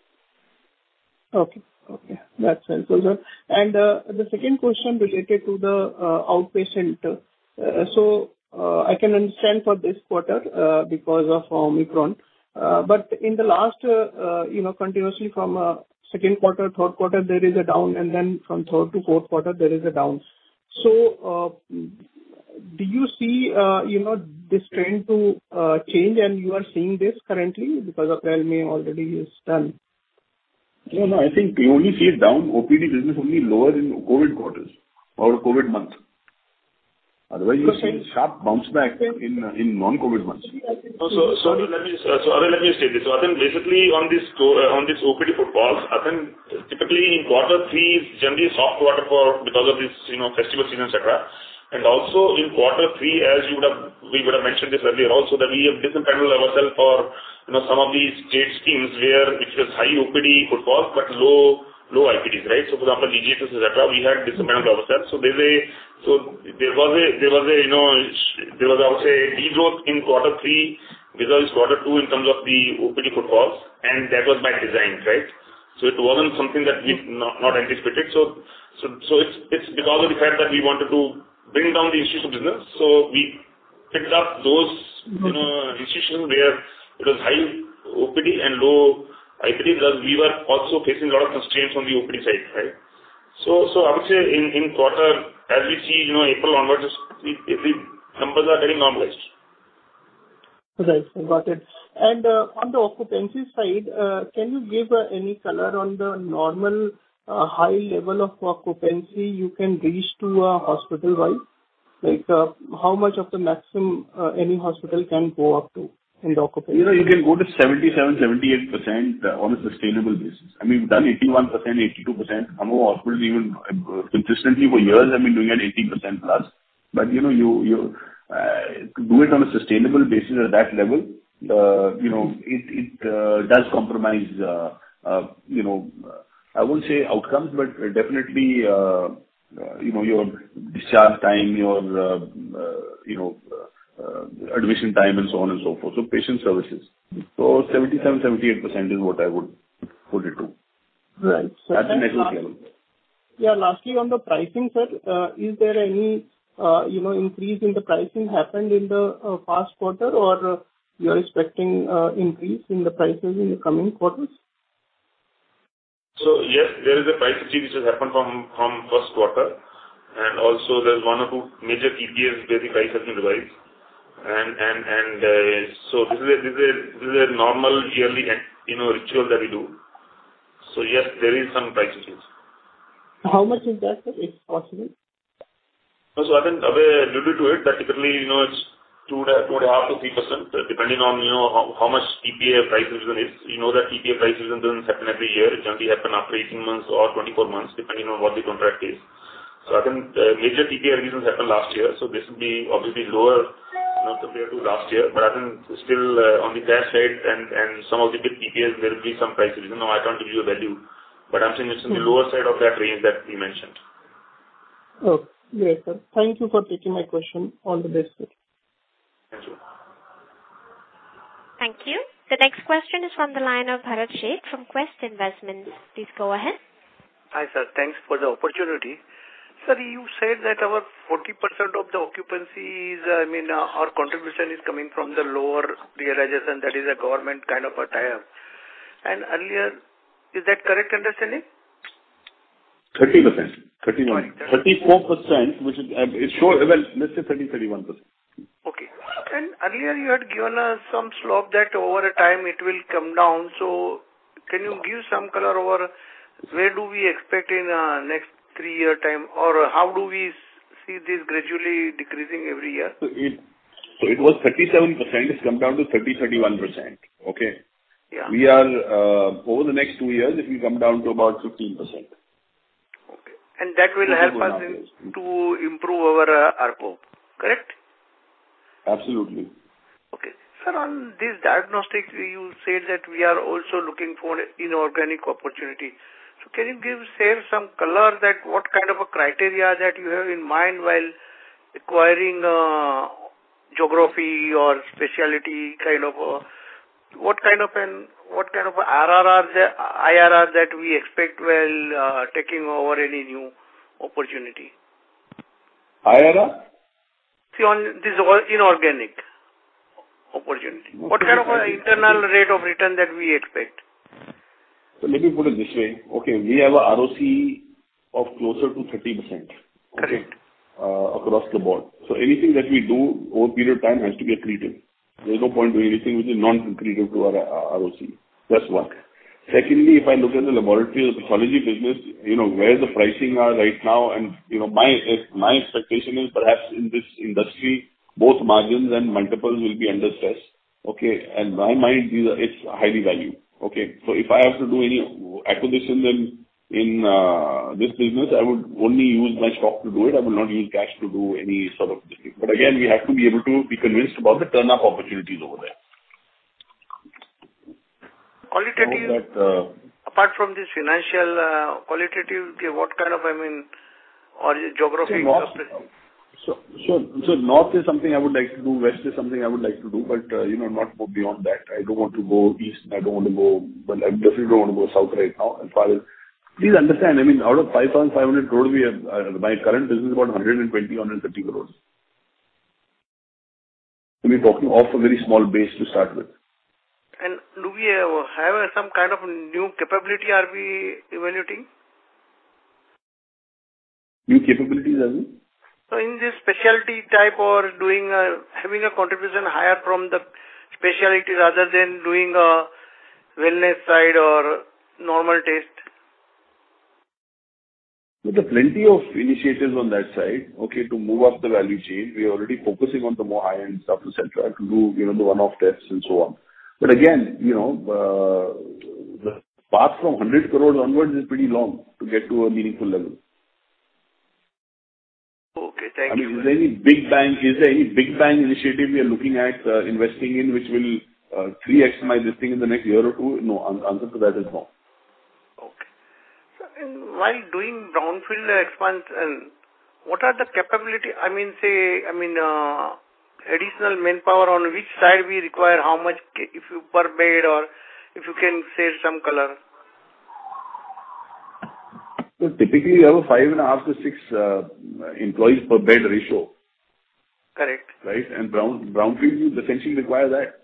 Okay. That's helpful, sir. The second question related to the outpatient. I can understand for this quarter because of Omicron. In the last, you know, continuously from second quarter, third quarter, there is a down, then from third to fourth quarter, there is a down. Do you see, you know, this trend to change and you are seeing this currently because April, May already is done? No, I think you only see it down. OPD business only lower in COVID quarters or COVID month. Otherwise, you see a sharp bounce back in non-COVID months. Let me say this. I think basically on this OPD footfalls, I think typically in quarter three is generally a soft quarter for OPD footfalls because of this, you know, festival season, et cetera. Also in quarter three, as you would have, we would have mentioned this earlier also that we have de-paneled ourselves for, you know, some of these state schemes where it was high OPD footfalls but low IPDs, right. For example, ECHS, et cetera, we had de-paneled ourselves. There was also a de-growth in quarter three because quarter two in terms of the OPD footfalls, and that was by design, right? It wasn't something that we not anticipated. It's because of the fact that we wanted to bring down the institutional business. We picked up those, you know, institutions where it was high OPD and low IPD because we were also facing a lot of constraints on the OPD side, right. I would say in quarter, as we see, you know, April onwards, every numbers are getting normalized. Right. Got it. On the occupancy side, can you give any color on the normal high level of occupancy you can reach to a hospital-wide? Like, how much of the maximum any hospital can go up to in the occupancy? You know, you can go to 77-78% on a sustainable basis. I mean, we've done 81%, 82%. Some of our hospitals even consistently for years have been doing at 80%+. But you know, you do it on a sustainable basis at that level, you know, it does compromise, you know, I won't say outcomes, but definitely, you know, your discharge time, your, you know, admission time and so on and so forth. Patient services. 77-78% is what I would put it to. Right. That's the natural level. Yeah. Lastly, on the pricing side, is there any, you know, increase in the pricing happened in the past quarter or you are expecting increase in the prices in the coming quarters? Yes, there is a price change which has happened from first quarter. Also there's one or two major TPAs where the price has been revised. This is a normal yearly, you know, ritual that we do. Yes, there is some price change. How much is that, sir, if possible? I think Abhay alluded to it that typically, you know, it's 2.5%-3% depending on, you know, how much TPA price revision is. You know that TPA price revision doesn't happen every year. It generally happen after 18 months or 24 months, depending on what the contract is. I think major TPA revisions happened last year, so this will be obviously lower, you know, compared to last year. But I think still on the cash side and some of the big TPAs there will be some price revision. No, I can't give you a value, but I'm saying it's in the lower side of that range that we mentioned. Okay. Great, sir. Thank you for taking my question. All the best. Thank you. Thank you. The next question is from the line of Bharat Sheth from Quest Investment. Please go ahead. Hi, sir. Thanks for the opportunity. Sir, you said that our 40% of the occupancy is, I mean, our contribution is coming from the lower realization that is a government kind of a tier. Is that correct understanding? 30%. 31. 34%, which is, it shows, well, let's say 30, 31%. Earlier you had given us some scope that over time it will come down. Can you give some color on where we expect in next three-year time or how we see this gradually decreasing every year? It was 37%. It's come down to 30%-31%. Okay? Yeah. Over the next two years it will come down to about 15%. Okay. That will help us to improve our ARPOB, correct? Absolutely. Okay. Sir, on this diagnostics you said that we are also looking for inorganic opportunity. Can you share some color on what kind of a criteria you have in mind while acquiring geography or specialty? What kind of RRRs, IRRs that we expect while taking over any new opportunity? IRR? See on this inorganic opportunity. What kind of internal rate of return that we expect? Let me put it this way. Okay, we have a ROC of closer to 30%. Correct. Across the board. Anything that we do over a period of time has to be accretive. There's no point doing anything which is non-accretive to our ROC. That's one. Secondly, if I look at the laboratory or pathology business, you know, where the pricing are right now and you know, my expectation is perhaps in this industry both margins and multiples will be under stress. Okay? In my mind, it's highly valued. Okay? If I have to do any acquisitions in this business, I would only use my stock to do it. I would not use cash to do any sort of this thing. Again, we have to be able to be convinced about the turnaround opportunities over there. Qualitative- No, that. Apart from this financial, qualitative, what kind of, I mean, or geographic. North is something I would like to do, West is something I would like to do, but, you know, not go beyond that. I don't want to go East and I don't want to go. Well, I definitely don't wanna go South right now as far as. Please understand, I mean, out of 5,500 crore, we are, my current business is about 120-130 crore. We're talking of a very small base to start with. Do we have some kind of new capability? Are we evaluating? New capabilities, as in? In this specialty type or doing, having a contribution higher from the specialty rather than doing a wellness side or normal test. There are plenty of initiatives on that side, okay, to move up the value chain. We are already focusing on the more high-end stuff, etcetera, to do, you know, the one-off tests and so on. But again, you know, the path from 100 crore onwards is pretty long to get to a meaningful level. Okay. Thank you. I mean, is there any big bang initiative we are looking at investing in which will 3x my this thing in the next year or 2? No. Answer to that is no. While doing brownfield expansion and what are the capabilities, I mean, additional manpower on which side we require, how much per bed or if you can share some color. Typically you have a 5.5-6 employees per bed ratio. Correct. Right? Brownfields essentially require that.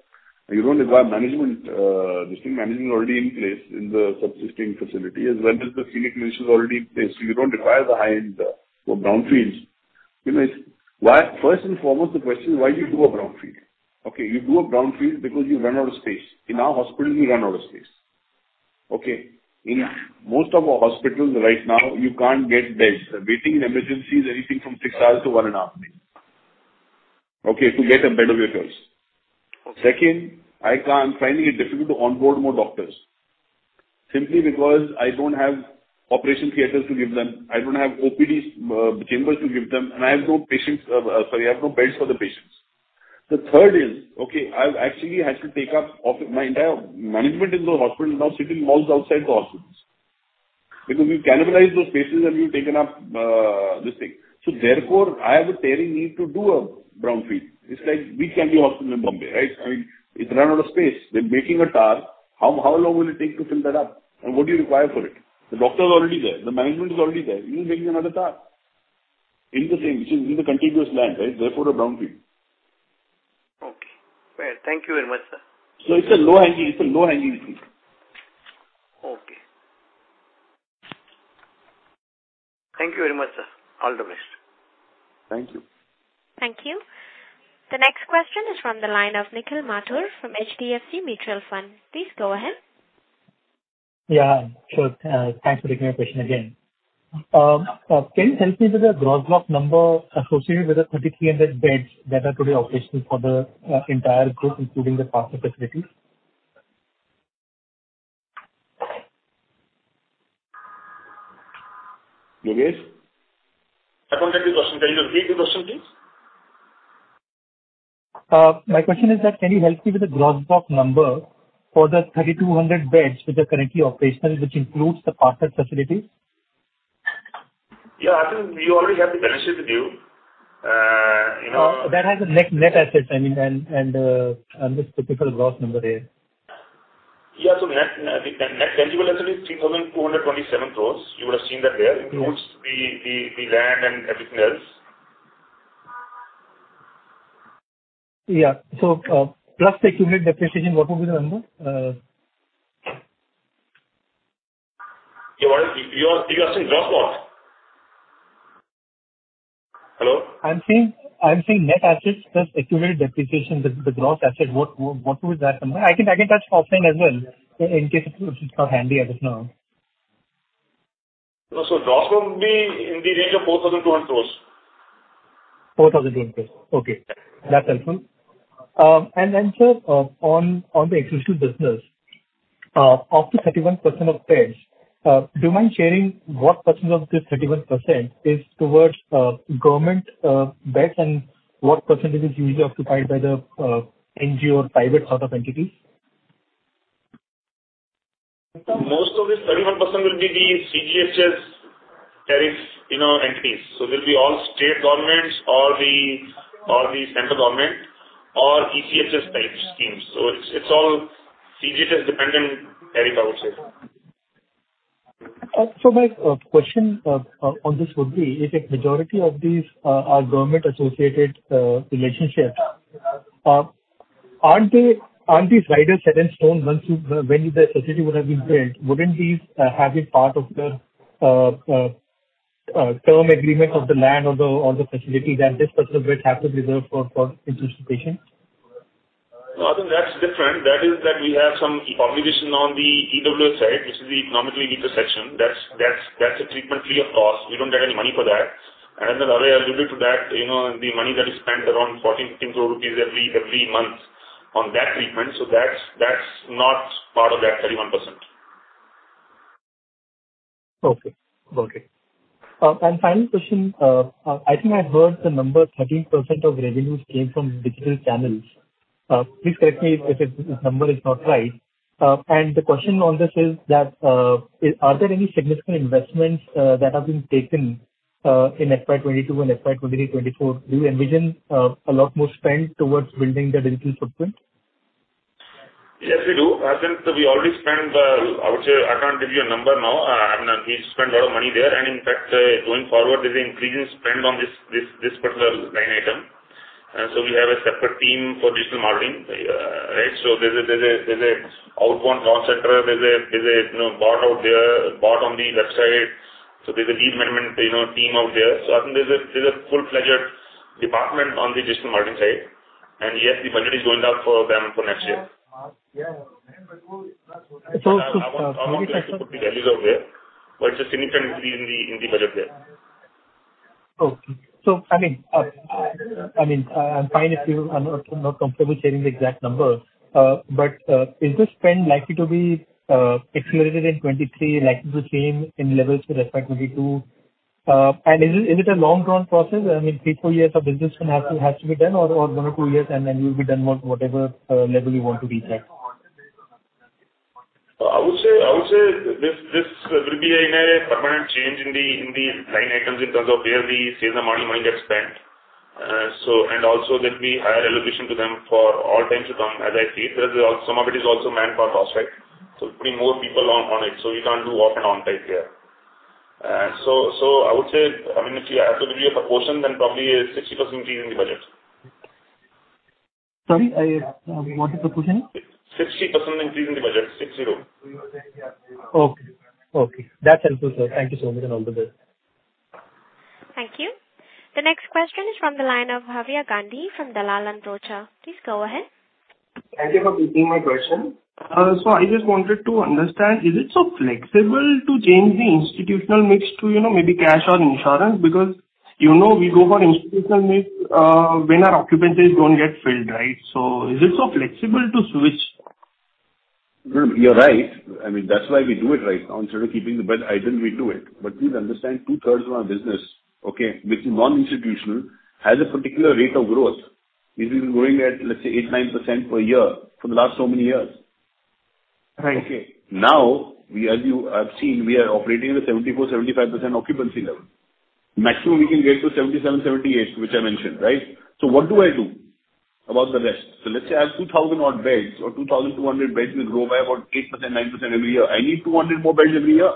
You don't require distinct management already in place in the subsisting facility as well as the senior management already in place. You don't require the high-end for brownfields. You know, first and foremost, the question is why do you do a brownfield? Okay, you do a brownfield because you run out of space. In our hospital, we run out of space. Okay. Yeah. In most of our hospitals right now, you can't get beds. The waiting in emergency is anything from 6 hours to 1.5 days, okay, to get a bed of yours. Okay. Second, finding it difficult to onboard more doctors simply because I don't have operation theaters to give them, I don't have OPD chambers to give them, and I have no patients, sorry, I have no beds for the patients. The third is, okay, I've actually had to take up office. My entire management in the hospital is now sitting in malls outside the hospitals. Because we've cannibalized those spaces and we've taken up this thing. Therefore, I have a tearing need to do a brownfield. It's like Wockhardt Hospitals in Bombay, right? I mean, it run out of space. They're making a tower. How long will it take to fill that up? And what do you require for it? The doctor is already there. The management is already there. You're making another tower. In the same, which is in the contiguous land, right? Therefore, a brownfield. Okay. Well, thank you very much, sir. It's a low-hanging fruit. Okay. Thank you very much, sir. All the best. Thank you. Thank you. The next question is from the line of Nikhil Mathur from HDFC Mutual Fund. Please go ahead. Yeah, sure. Thanks for taking my question again. Can you help me with the gross block number associated with the 3,300 beds that are today operational for the entire group, including the partner facilities? Mangesh? I don't get the question. Can you repeat the question, please? My question is that can you help me with the gross block number for the 3,200 beds which are currently operational, which includes the partner facilities? Yeah. I think we already have the benefits with you. You know- That has a net assets, I mean, and this typical gross number there. Net, the net tangible asset is 3,227 crores. You would have seen that there. Mm-hmm. Includes the land and everything else. Plus the accumulated depreciation, what would be the number? You're asking gross block? Hello? I'm saying net assets plus accumulated depreciation, the gross asset, what would that number. I can touch offline as well in case it's not handy at this now. No. Gross would be in the range of 4,200 crores. 4,200 crores. Okay. That's helpful. Sir, on the existing business, up to 31% of beds, do you mind sharing what percentage of this 31% is towards government beds and what percentage is usually occupied by the NGO or private sort of entities? Most of this 31% will be the CGHS tariff, you know, entities. They'll be all state governments or the central government or ECHS type schemes. It's all CGHS dependent tariff, I would say. My question on this would be, if a majority of these are government associated relationships, aren't they? Aren't these riders set in stone when the facility would have been built? Wouldn't these have a part of the term agreement of the land or the facility that this percentage rate has to be reserved for institutional patients? No, I think that's different. That is that we have some population on the EWS side, which is the economically weaker section. That's a treatment free of cost. We don't get any money for that. As Ravindra alluded to that, you know, the money that is spent around 14 crore-15 crore rupees every month on that treatment. That's not part of that 31%. Final question. I think I heard the number 13% of revenues came from digital channels. Please correct me if this number is not right. The question on this is that, are there any significant investments that have been taken in FY 2022 and FY 2024? Do you envision a lot more spend towards building the digital footprint? Yes, we do. As in, we already spent, I would say. I can't give you a number now. I mean, we spent a lot of money there, and in fact, going forward there's an increasing spend on this particular line item. We have a separate team for digital marketing, right? There's an outbound call center. There's a, you know, bot out there, bot on the website. There's a lead management, you know, team out there. I think there's a full-fledged department on the digital marketing side. Yes, the budget is going up for them for next year. It's also. Put the values out there, but it's a significant increase in the budget there. Okay. I mean, I'm fine if you are not comfortable sharing the exact number. But is this spend likely to be accelerated in 2023, likely to change in levels with respect to 2022? Is it a long-drawn process, I mean, three, four years of business spend has to be done or one or two years and then you'll be done with whatever level you want to reach at? I would say this will be a permanent change in the line items in terms of where the sales and marketing money gets spent. And also there'll be higher allocation to them for all times to come as I see it. There is also some of it is manpower cost, right? Putting more people on it, we can't do off and on type here. I would say, I mean, if you ask me a proportion, then probably a 60% increase in the budget. Sorry, I, what is the proportion? 60% increase in the budget. 60. Okay. That's helpful, sir. Thank you so much and all the best. Thank you. The next question is from the line of Bhavya Gandhi from Dalal & Broacha. Please go ahead. Thank you for taking my question. I just wanted to understand, is it so flexible to change the institutional mix to, you know, maybe cash or insurance? Because, you know, we go for institutional mix, when our occupancies don't get filled, right? Is it so flexible to switch? You're right. I mean, that's why we do it right now. Instead of keeping the bed idle, we do it. Please understand, two-thirds of our business, okay, which is non-institutional, has a particular rate of growth. It is growing at, let's say, 8%-9% per year for the last so many years. Right. Now, we as you have seen, we are operating at a 74%-75% occupancy level. Maximum we can get to 77%-78%, which I mentioned, right? What do I do about the rest? Let's say I have 2,000-odd beds or 2,200 beds will grow by about 8%-9% every year. I need 200 more beds every year.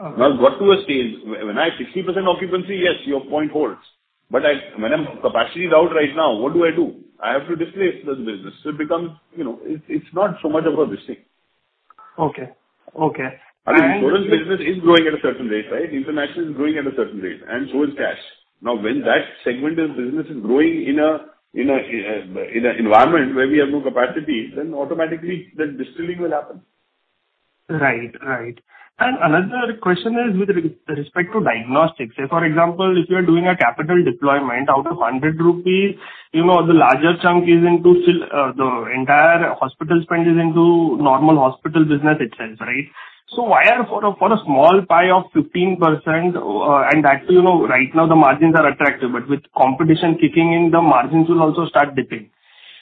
Okay. Now I've got to a stage, when I have 60% occupancy, yes, your point holds. I, when my capacity is out right now, what do I do? I have to displace the business. It becomes, you know. It's not so much about this thing. Okay. Okay. I mean, insurance business is growing at a certain rate, right? International is growing at a certain rate, and so is cash. Now, when that segment of business is growing in an environment where we have no capacity, then automatically distilling will happen. Right. Another question is with respect to diagnostics. Say for example, if you are doing a capital deployment out of 100 rupees, you know, the larger chunk is into still the entire hospital spend is into normal hospital business itself, right? Why are for a small pie of 15%, and actually, you know, right now the margins are attractive, but with competition kicking in, the margins will also start dipping.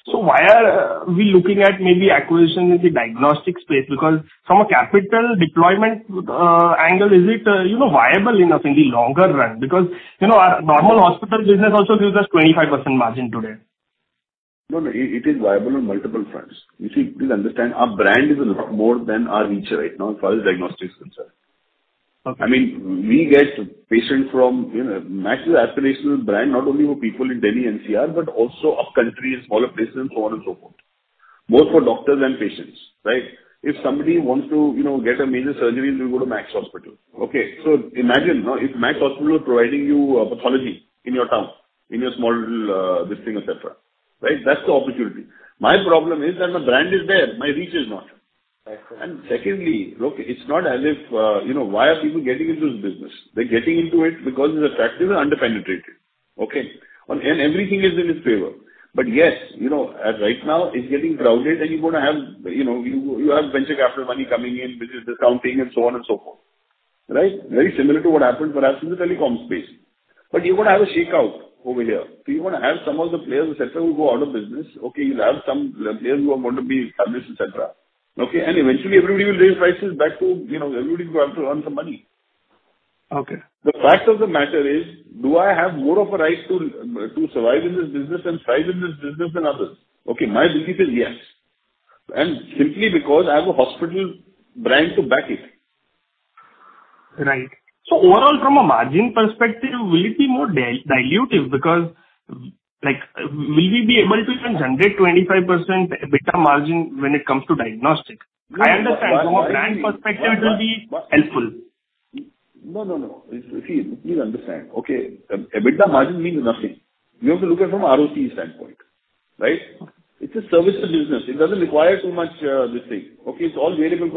Why are we looking at maybe acquisition in the diagnostic space? Because from a capital deployment angle, is it, you know, viable enough in the longer run? Because, you know, our normal hospital business also gives us 25% margin today. No, no. It is viable on multiple fronts. You see, please understand our brand is a lot more than our reach right now as far as diagnostics is concerned. Okay. I mean, we get patients from, you know, Max is aspirational brand not only for people in Delhi NCR, but also up country, smaller places, and so on and so forth, both for doctors and patients, right? If somebody wants to, you know, get a major surgery they will go to Max Hospital, okay. Imagine, if Max Hospital is providing you a pathology in your town, in your small, this thing, et cetera, right? That's the opportunity. My problem is that my brand is there, my reach is not. I see. Secondly, look, it's not as if, you know, why are people getting into this business? They're getting into it because it's attractive and under-penetrated, okay? Everything is in its favor. Yes, you know, as right now it's getting crowded and you're gonna have, you know, you have venture capital money coming in, business discounting and so on and so forth, right? Very similar to what happened perhaps in the telecom space. You're gonna have a shakeout over here. You're gonna have some of the players, et cetera, who go out of business, okay. You'll have some players who are going to be established, et cetera, okay. Eventually everybody will raise prices back to, you know, everybody's got to earn some money. Okay. The fact of the matter is, do I have more of a right to survive in this business and thrive in this business than others? Okay. My belief is yes, and simply because I have a hospital brand to back it. Right. Overall, from a margin perspective, will it be more de-dilutive? Because, like, will we be able to even generate 25% EBITDA margin when it comes to diagnostic? I understand from a brand perspective it will be helpful. No, no. If you understand, okay, EBITDA margin means nothing. You have to look at it from ROC standpoint, right? It's a services business. It doesn't require too much this thing, okay? It's all variable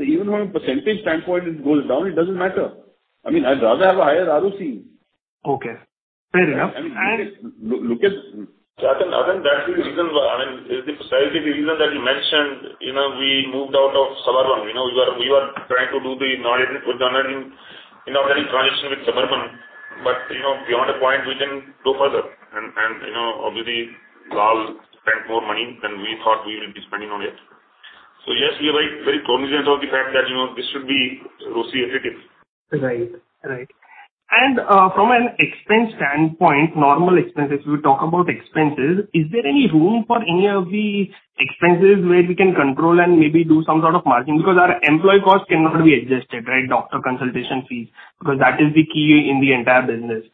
costs. So even from a percentage standpoint, it goes down, it doesn't matter. I mean, I'd rather have a higher ROC. Okay, fair enough. Lucas, I think that's the reason why. I mean, it's precisely the reason that you mentioned, you know, we moved out of Suburban. You know, we were trying to do the non-elective to done elective, you know, very transition with Suburban. You know, beyond a point we can go further and, you know, obviously, Lal spent more money than we thought we would be spending on it. Yes, we are very, very cognizant of the fact that, you know, this should be ROCE effective. From an expense standpoint, normal expenses, we talk about expenses. Is there any room for any of the expenses where we can control and maybe do some sort of margin? Because our employee cost cannot be adjusted, right? Doctor consultation fees, because that is the key in the entire business.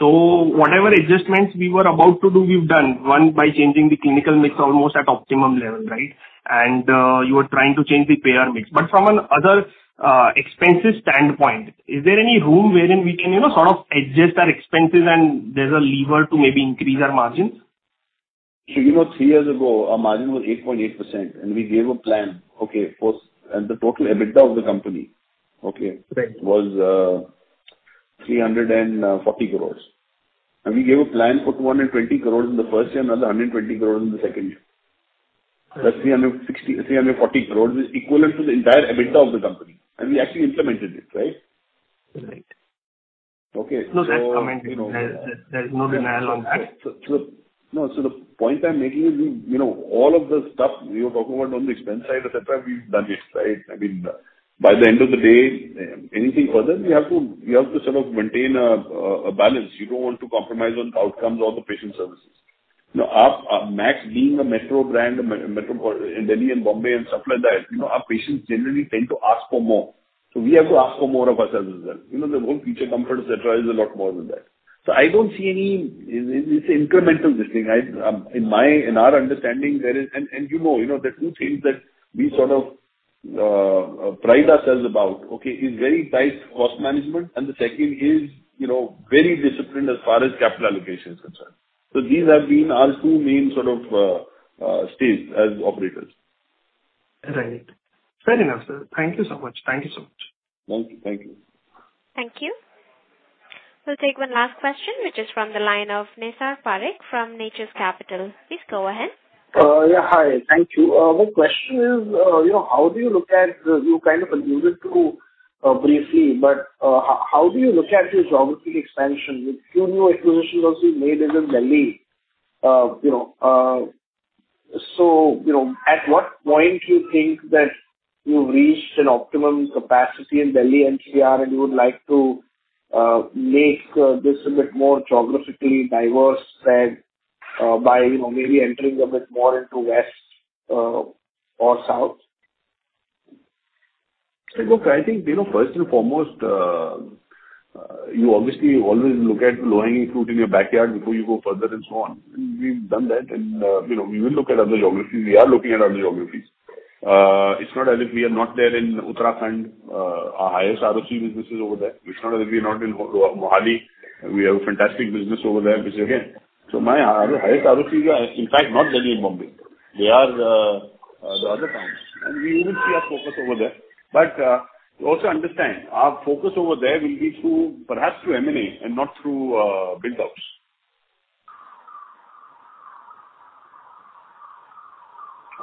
Whatever adjustments we were about to do, we've done one by changing the clinical mix almost at optimum level, right? You are trying to change the payer mix. From another expenses standpoint, is there any room wherein we can, you know, sort of adjust our expenses and there's a lever to maybe increase our margins? You know, three years ago our margin was 8.8%, and we gave a plan, okay, and the total EBITDA of the company, okay. Right. was 340 crore. We gave a plan for 120 crore in the first year, another 120 crore in the second year. That's 360, 340 crore is equivalent to the entire EBITDA of the company, and we actually implemented it, right? Right. Okay. No, that's commented. There's no denial on that. No. The point I'm making is we, you know, all of the stuff you're talking about on the expense side, et cetera, we've done it, right? I mean, by the end of the day, anything further, we have to sort of maintain a balance. You don't want to compromise on the outcomes or the patient services. Now, our Max being a metro brand in metro in Delhi and Bombay and stuff like that, you know, our patients generally tend to ask for more. So we have to ask for more of ourselves as well. You know, the whole patient comfort, et cetera, is a lot more than that. So I don't see any. It's incremental this thing. I, in my, in our understanding there is. You know the two things that we sort of pride ourselves about, okay, is very tight cost management, and the second is, you know, very disciplined as far as capital allocation is concerned. These have been our two main sort of stays as operators. Right. Fair enough, sir. Thank you so much. Thank you so much. Thank you. Thank you. Thank you. We'll take one last question, which is from the line of Nisarg Parekh from Natures Capital. Please go ahead. Yeah. Hi. Thank you. My question is, you know, you kind of alluded to briefly, but how do you look at the geographic expansion with few new acquisitions also made in Delhi? You know, so, you know, at what point do you think that you've reached an optimum capacity in Delhi NCR and you would like to make this a bit more geographically diverse spend by, you know, maybe entering a bit more into West or South? Look, I think, you know, first and foremost, you obviously always look at low-hanging fruit in your backyard before you go further and so on. We've done that. You know, we will look at other geographies. We are looking at other geographies. It's not as if we are not there in Uttarakhand. Our highest ROCE business is over there. It's not as if we are not in Mohali. We have a fantastic business over there, which again. My highest ROCE are in fact, not Delhi and Bombay. They are, the other towns, and we will see our focus over there. You also understand our focus over there will be through perhaps M&A and not through build ups.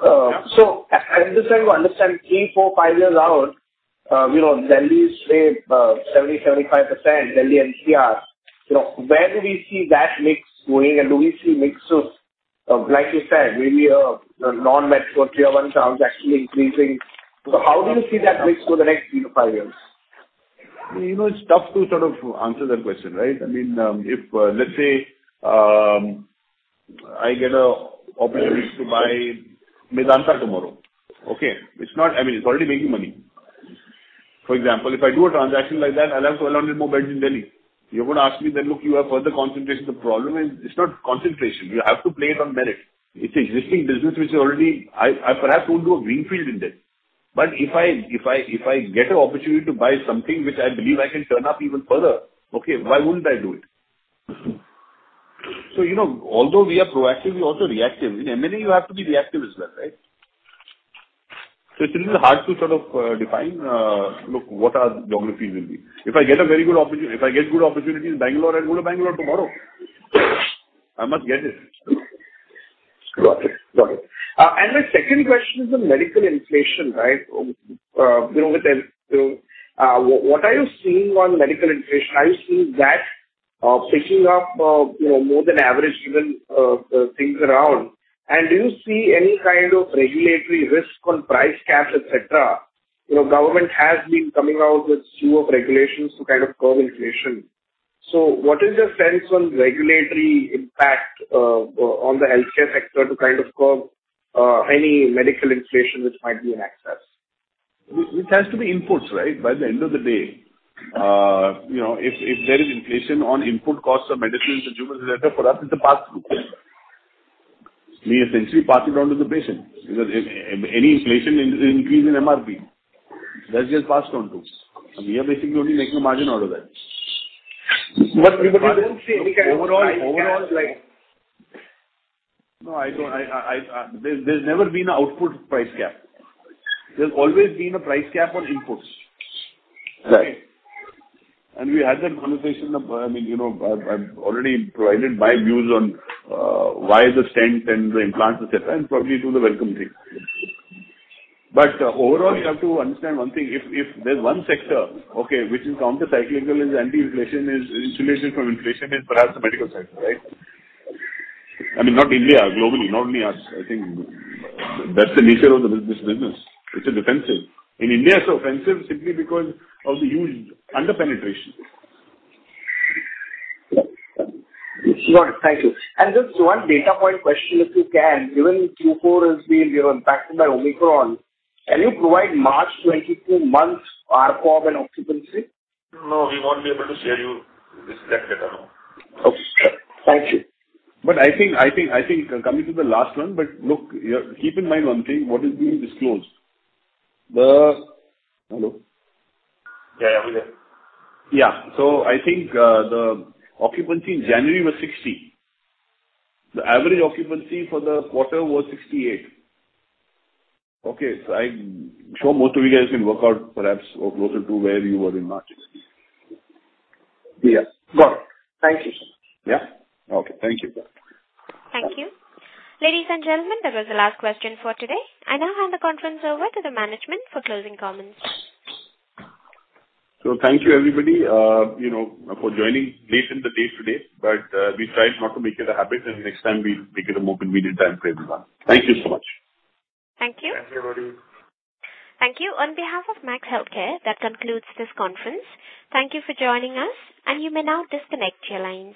I'm just trying to understand three to five years out, you know, Delhi's, say, 70%-75% Delhi NCR. You know, where do we see that mix going? Do we see mix of, like you said, maybe, non-metro Tier I and towns actually increasing? How do you see that mix for the next three to five years? You know, it's tough to sort of answer that question, right? I mean, if let's say I get an opportunity to buy Medanta tomorrow, okay. It's not. I mean, it's already making money. For example, if I do a transaction like that, I'll have 200 more beds in Delhi. You're gonna ask me then, "Look, you have further concentration." The problem is it's not concentration. You have to play it on merit. It's existing business which is already. I perhaps won't do a greenfield in Delhi. But if I get an opportunity to buy something which I believe I can turn up even further, okay, why wouldn't I do it? You know, although we are proactive, we're also reactive. In M&A you have to be reactive as well, right? It's a little hard to sort of define look what our geographies will be. If I get a very good opportunity in Bangalore, I'll go to Bangalore tomorrow. I must get it. Got it. My second question is on medical inflation, right? You know, with, you know, what are you seeing on medical inflation? Are you seeing that picking up, you know, more than average given things around? Do you see any kind of regulatory risk on price caps, et cetera? You know, government has been coming out with slew of regulations to kind of curb inflation. What is your sense on regulatory impact on the healthcare sector to kind of curb any medical inflation which might be in excess? It has to be inputs, right? By the end of the day, you know, if there is inflation on input costs of medicines and consumables, et cetera, for us it's a passthrough. We essentially pass it on to the patient because any inflation increase in MRP, that's just passed on to. We are basically only making a margin out of that. You don't see any kind of price caps like. No, I don't. There's never been an output price cap. There's always been a price cap on inputs. Right. We had that conversation. I mean, you know, I've already provided my views on why the stents and the implants, et cetera, and probably do the welcome drink. Overall, you have to understand one thing. If there's one sector, okay, which is counter-cyclical, is anti-inflation, is insulation from inflation is perhaps the medical sector, right? I mean, not India, globally, not only us. I think that's the nature of this business. It's a defensive. In India, it's offensive simply because of the huge under-penetration. Got it. Thank you. Just one data point question, if you can. Given Q4 has been, you know, impacted by Omicron, can you provide March 2022 month ARPOB and occupancy? No, we won't be able to share with you this, that data, no. Okay. Thank you. I think coming to the last one, but look, keep in mind one thing, what is being disclosed. Hello? Yeah. Yeah. We're here. I think the occupancy in January was 60%. The average occupancy for the quarter was 68%. Okay. I'm sure most of you guys can work out perhaps or closer to where you were in March, et cetera. Yes. Got it. Thank you, sir. Yeah. Okay. Thank you. Thank you. Ladies and gentlemen, that was the last question for today. I now hand the conference over to the management for closing comments. Thank you, everybody, you know, for joining late in the day today. We try not to make it a habit, and next time we'll pick a more convenient time for everyone. Thank you so much. Thank you. Thank you, everybody. Thank you. On behalf of Max Healthcare, that concludes this conference. Thank you for joining us, and you may now disconnect your lines.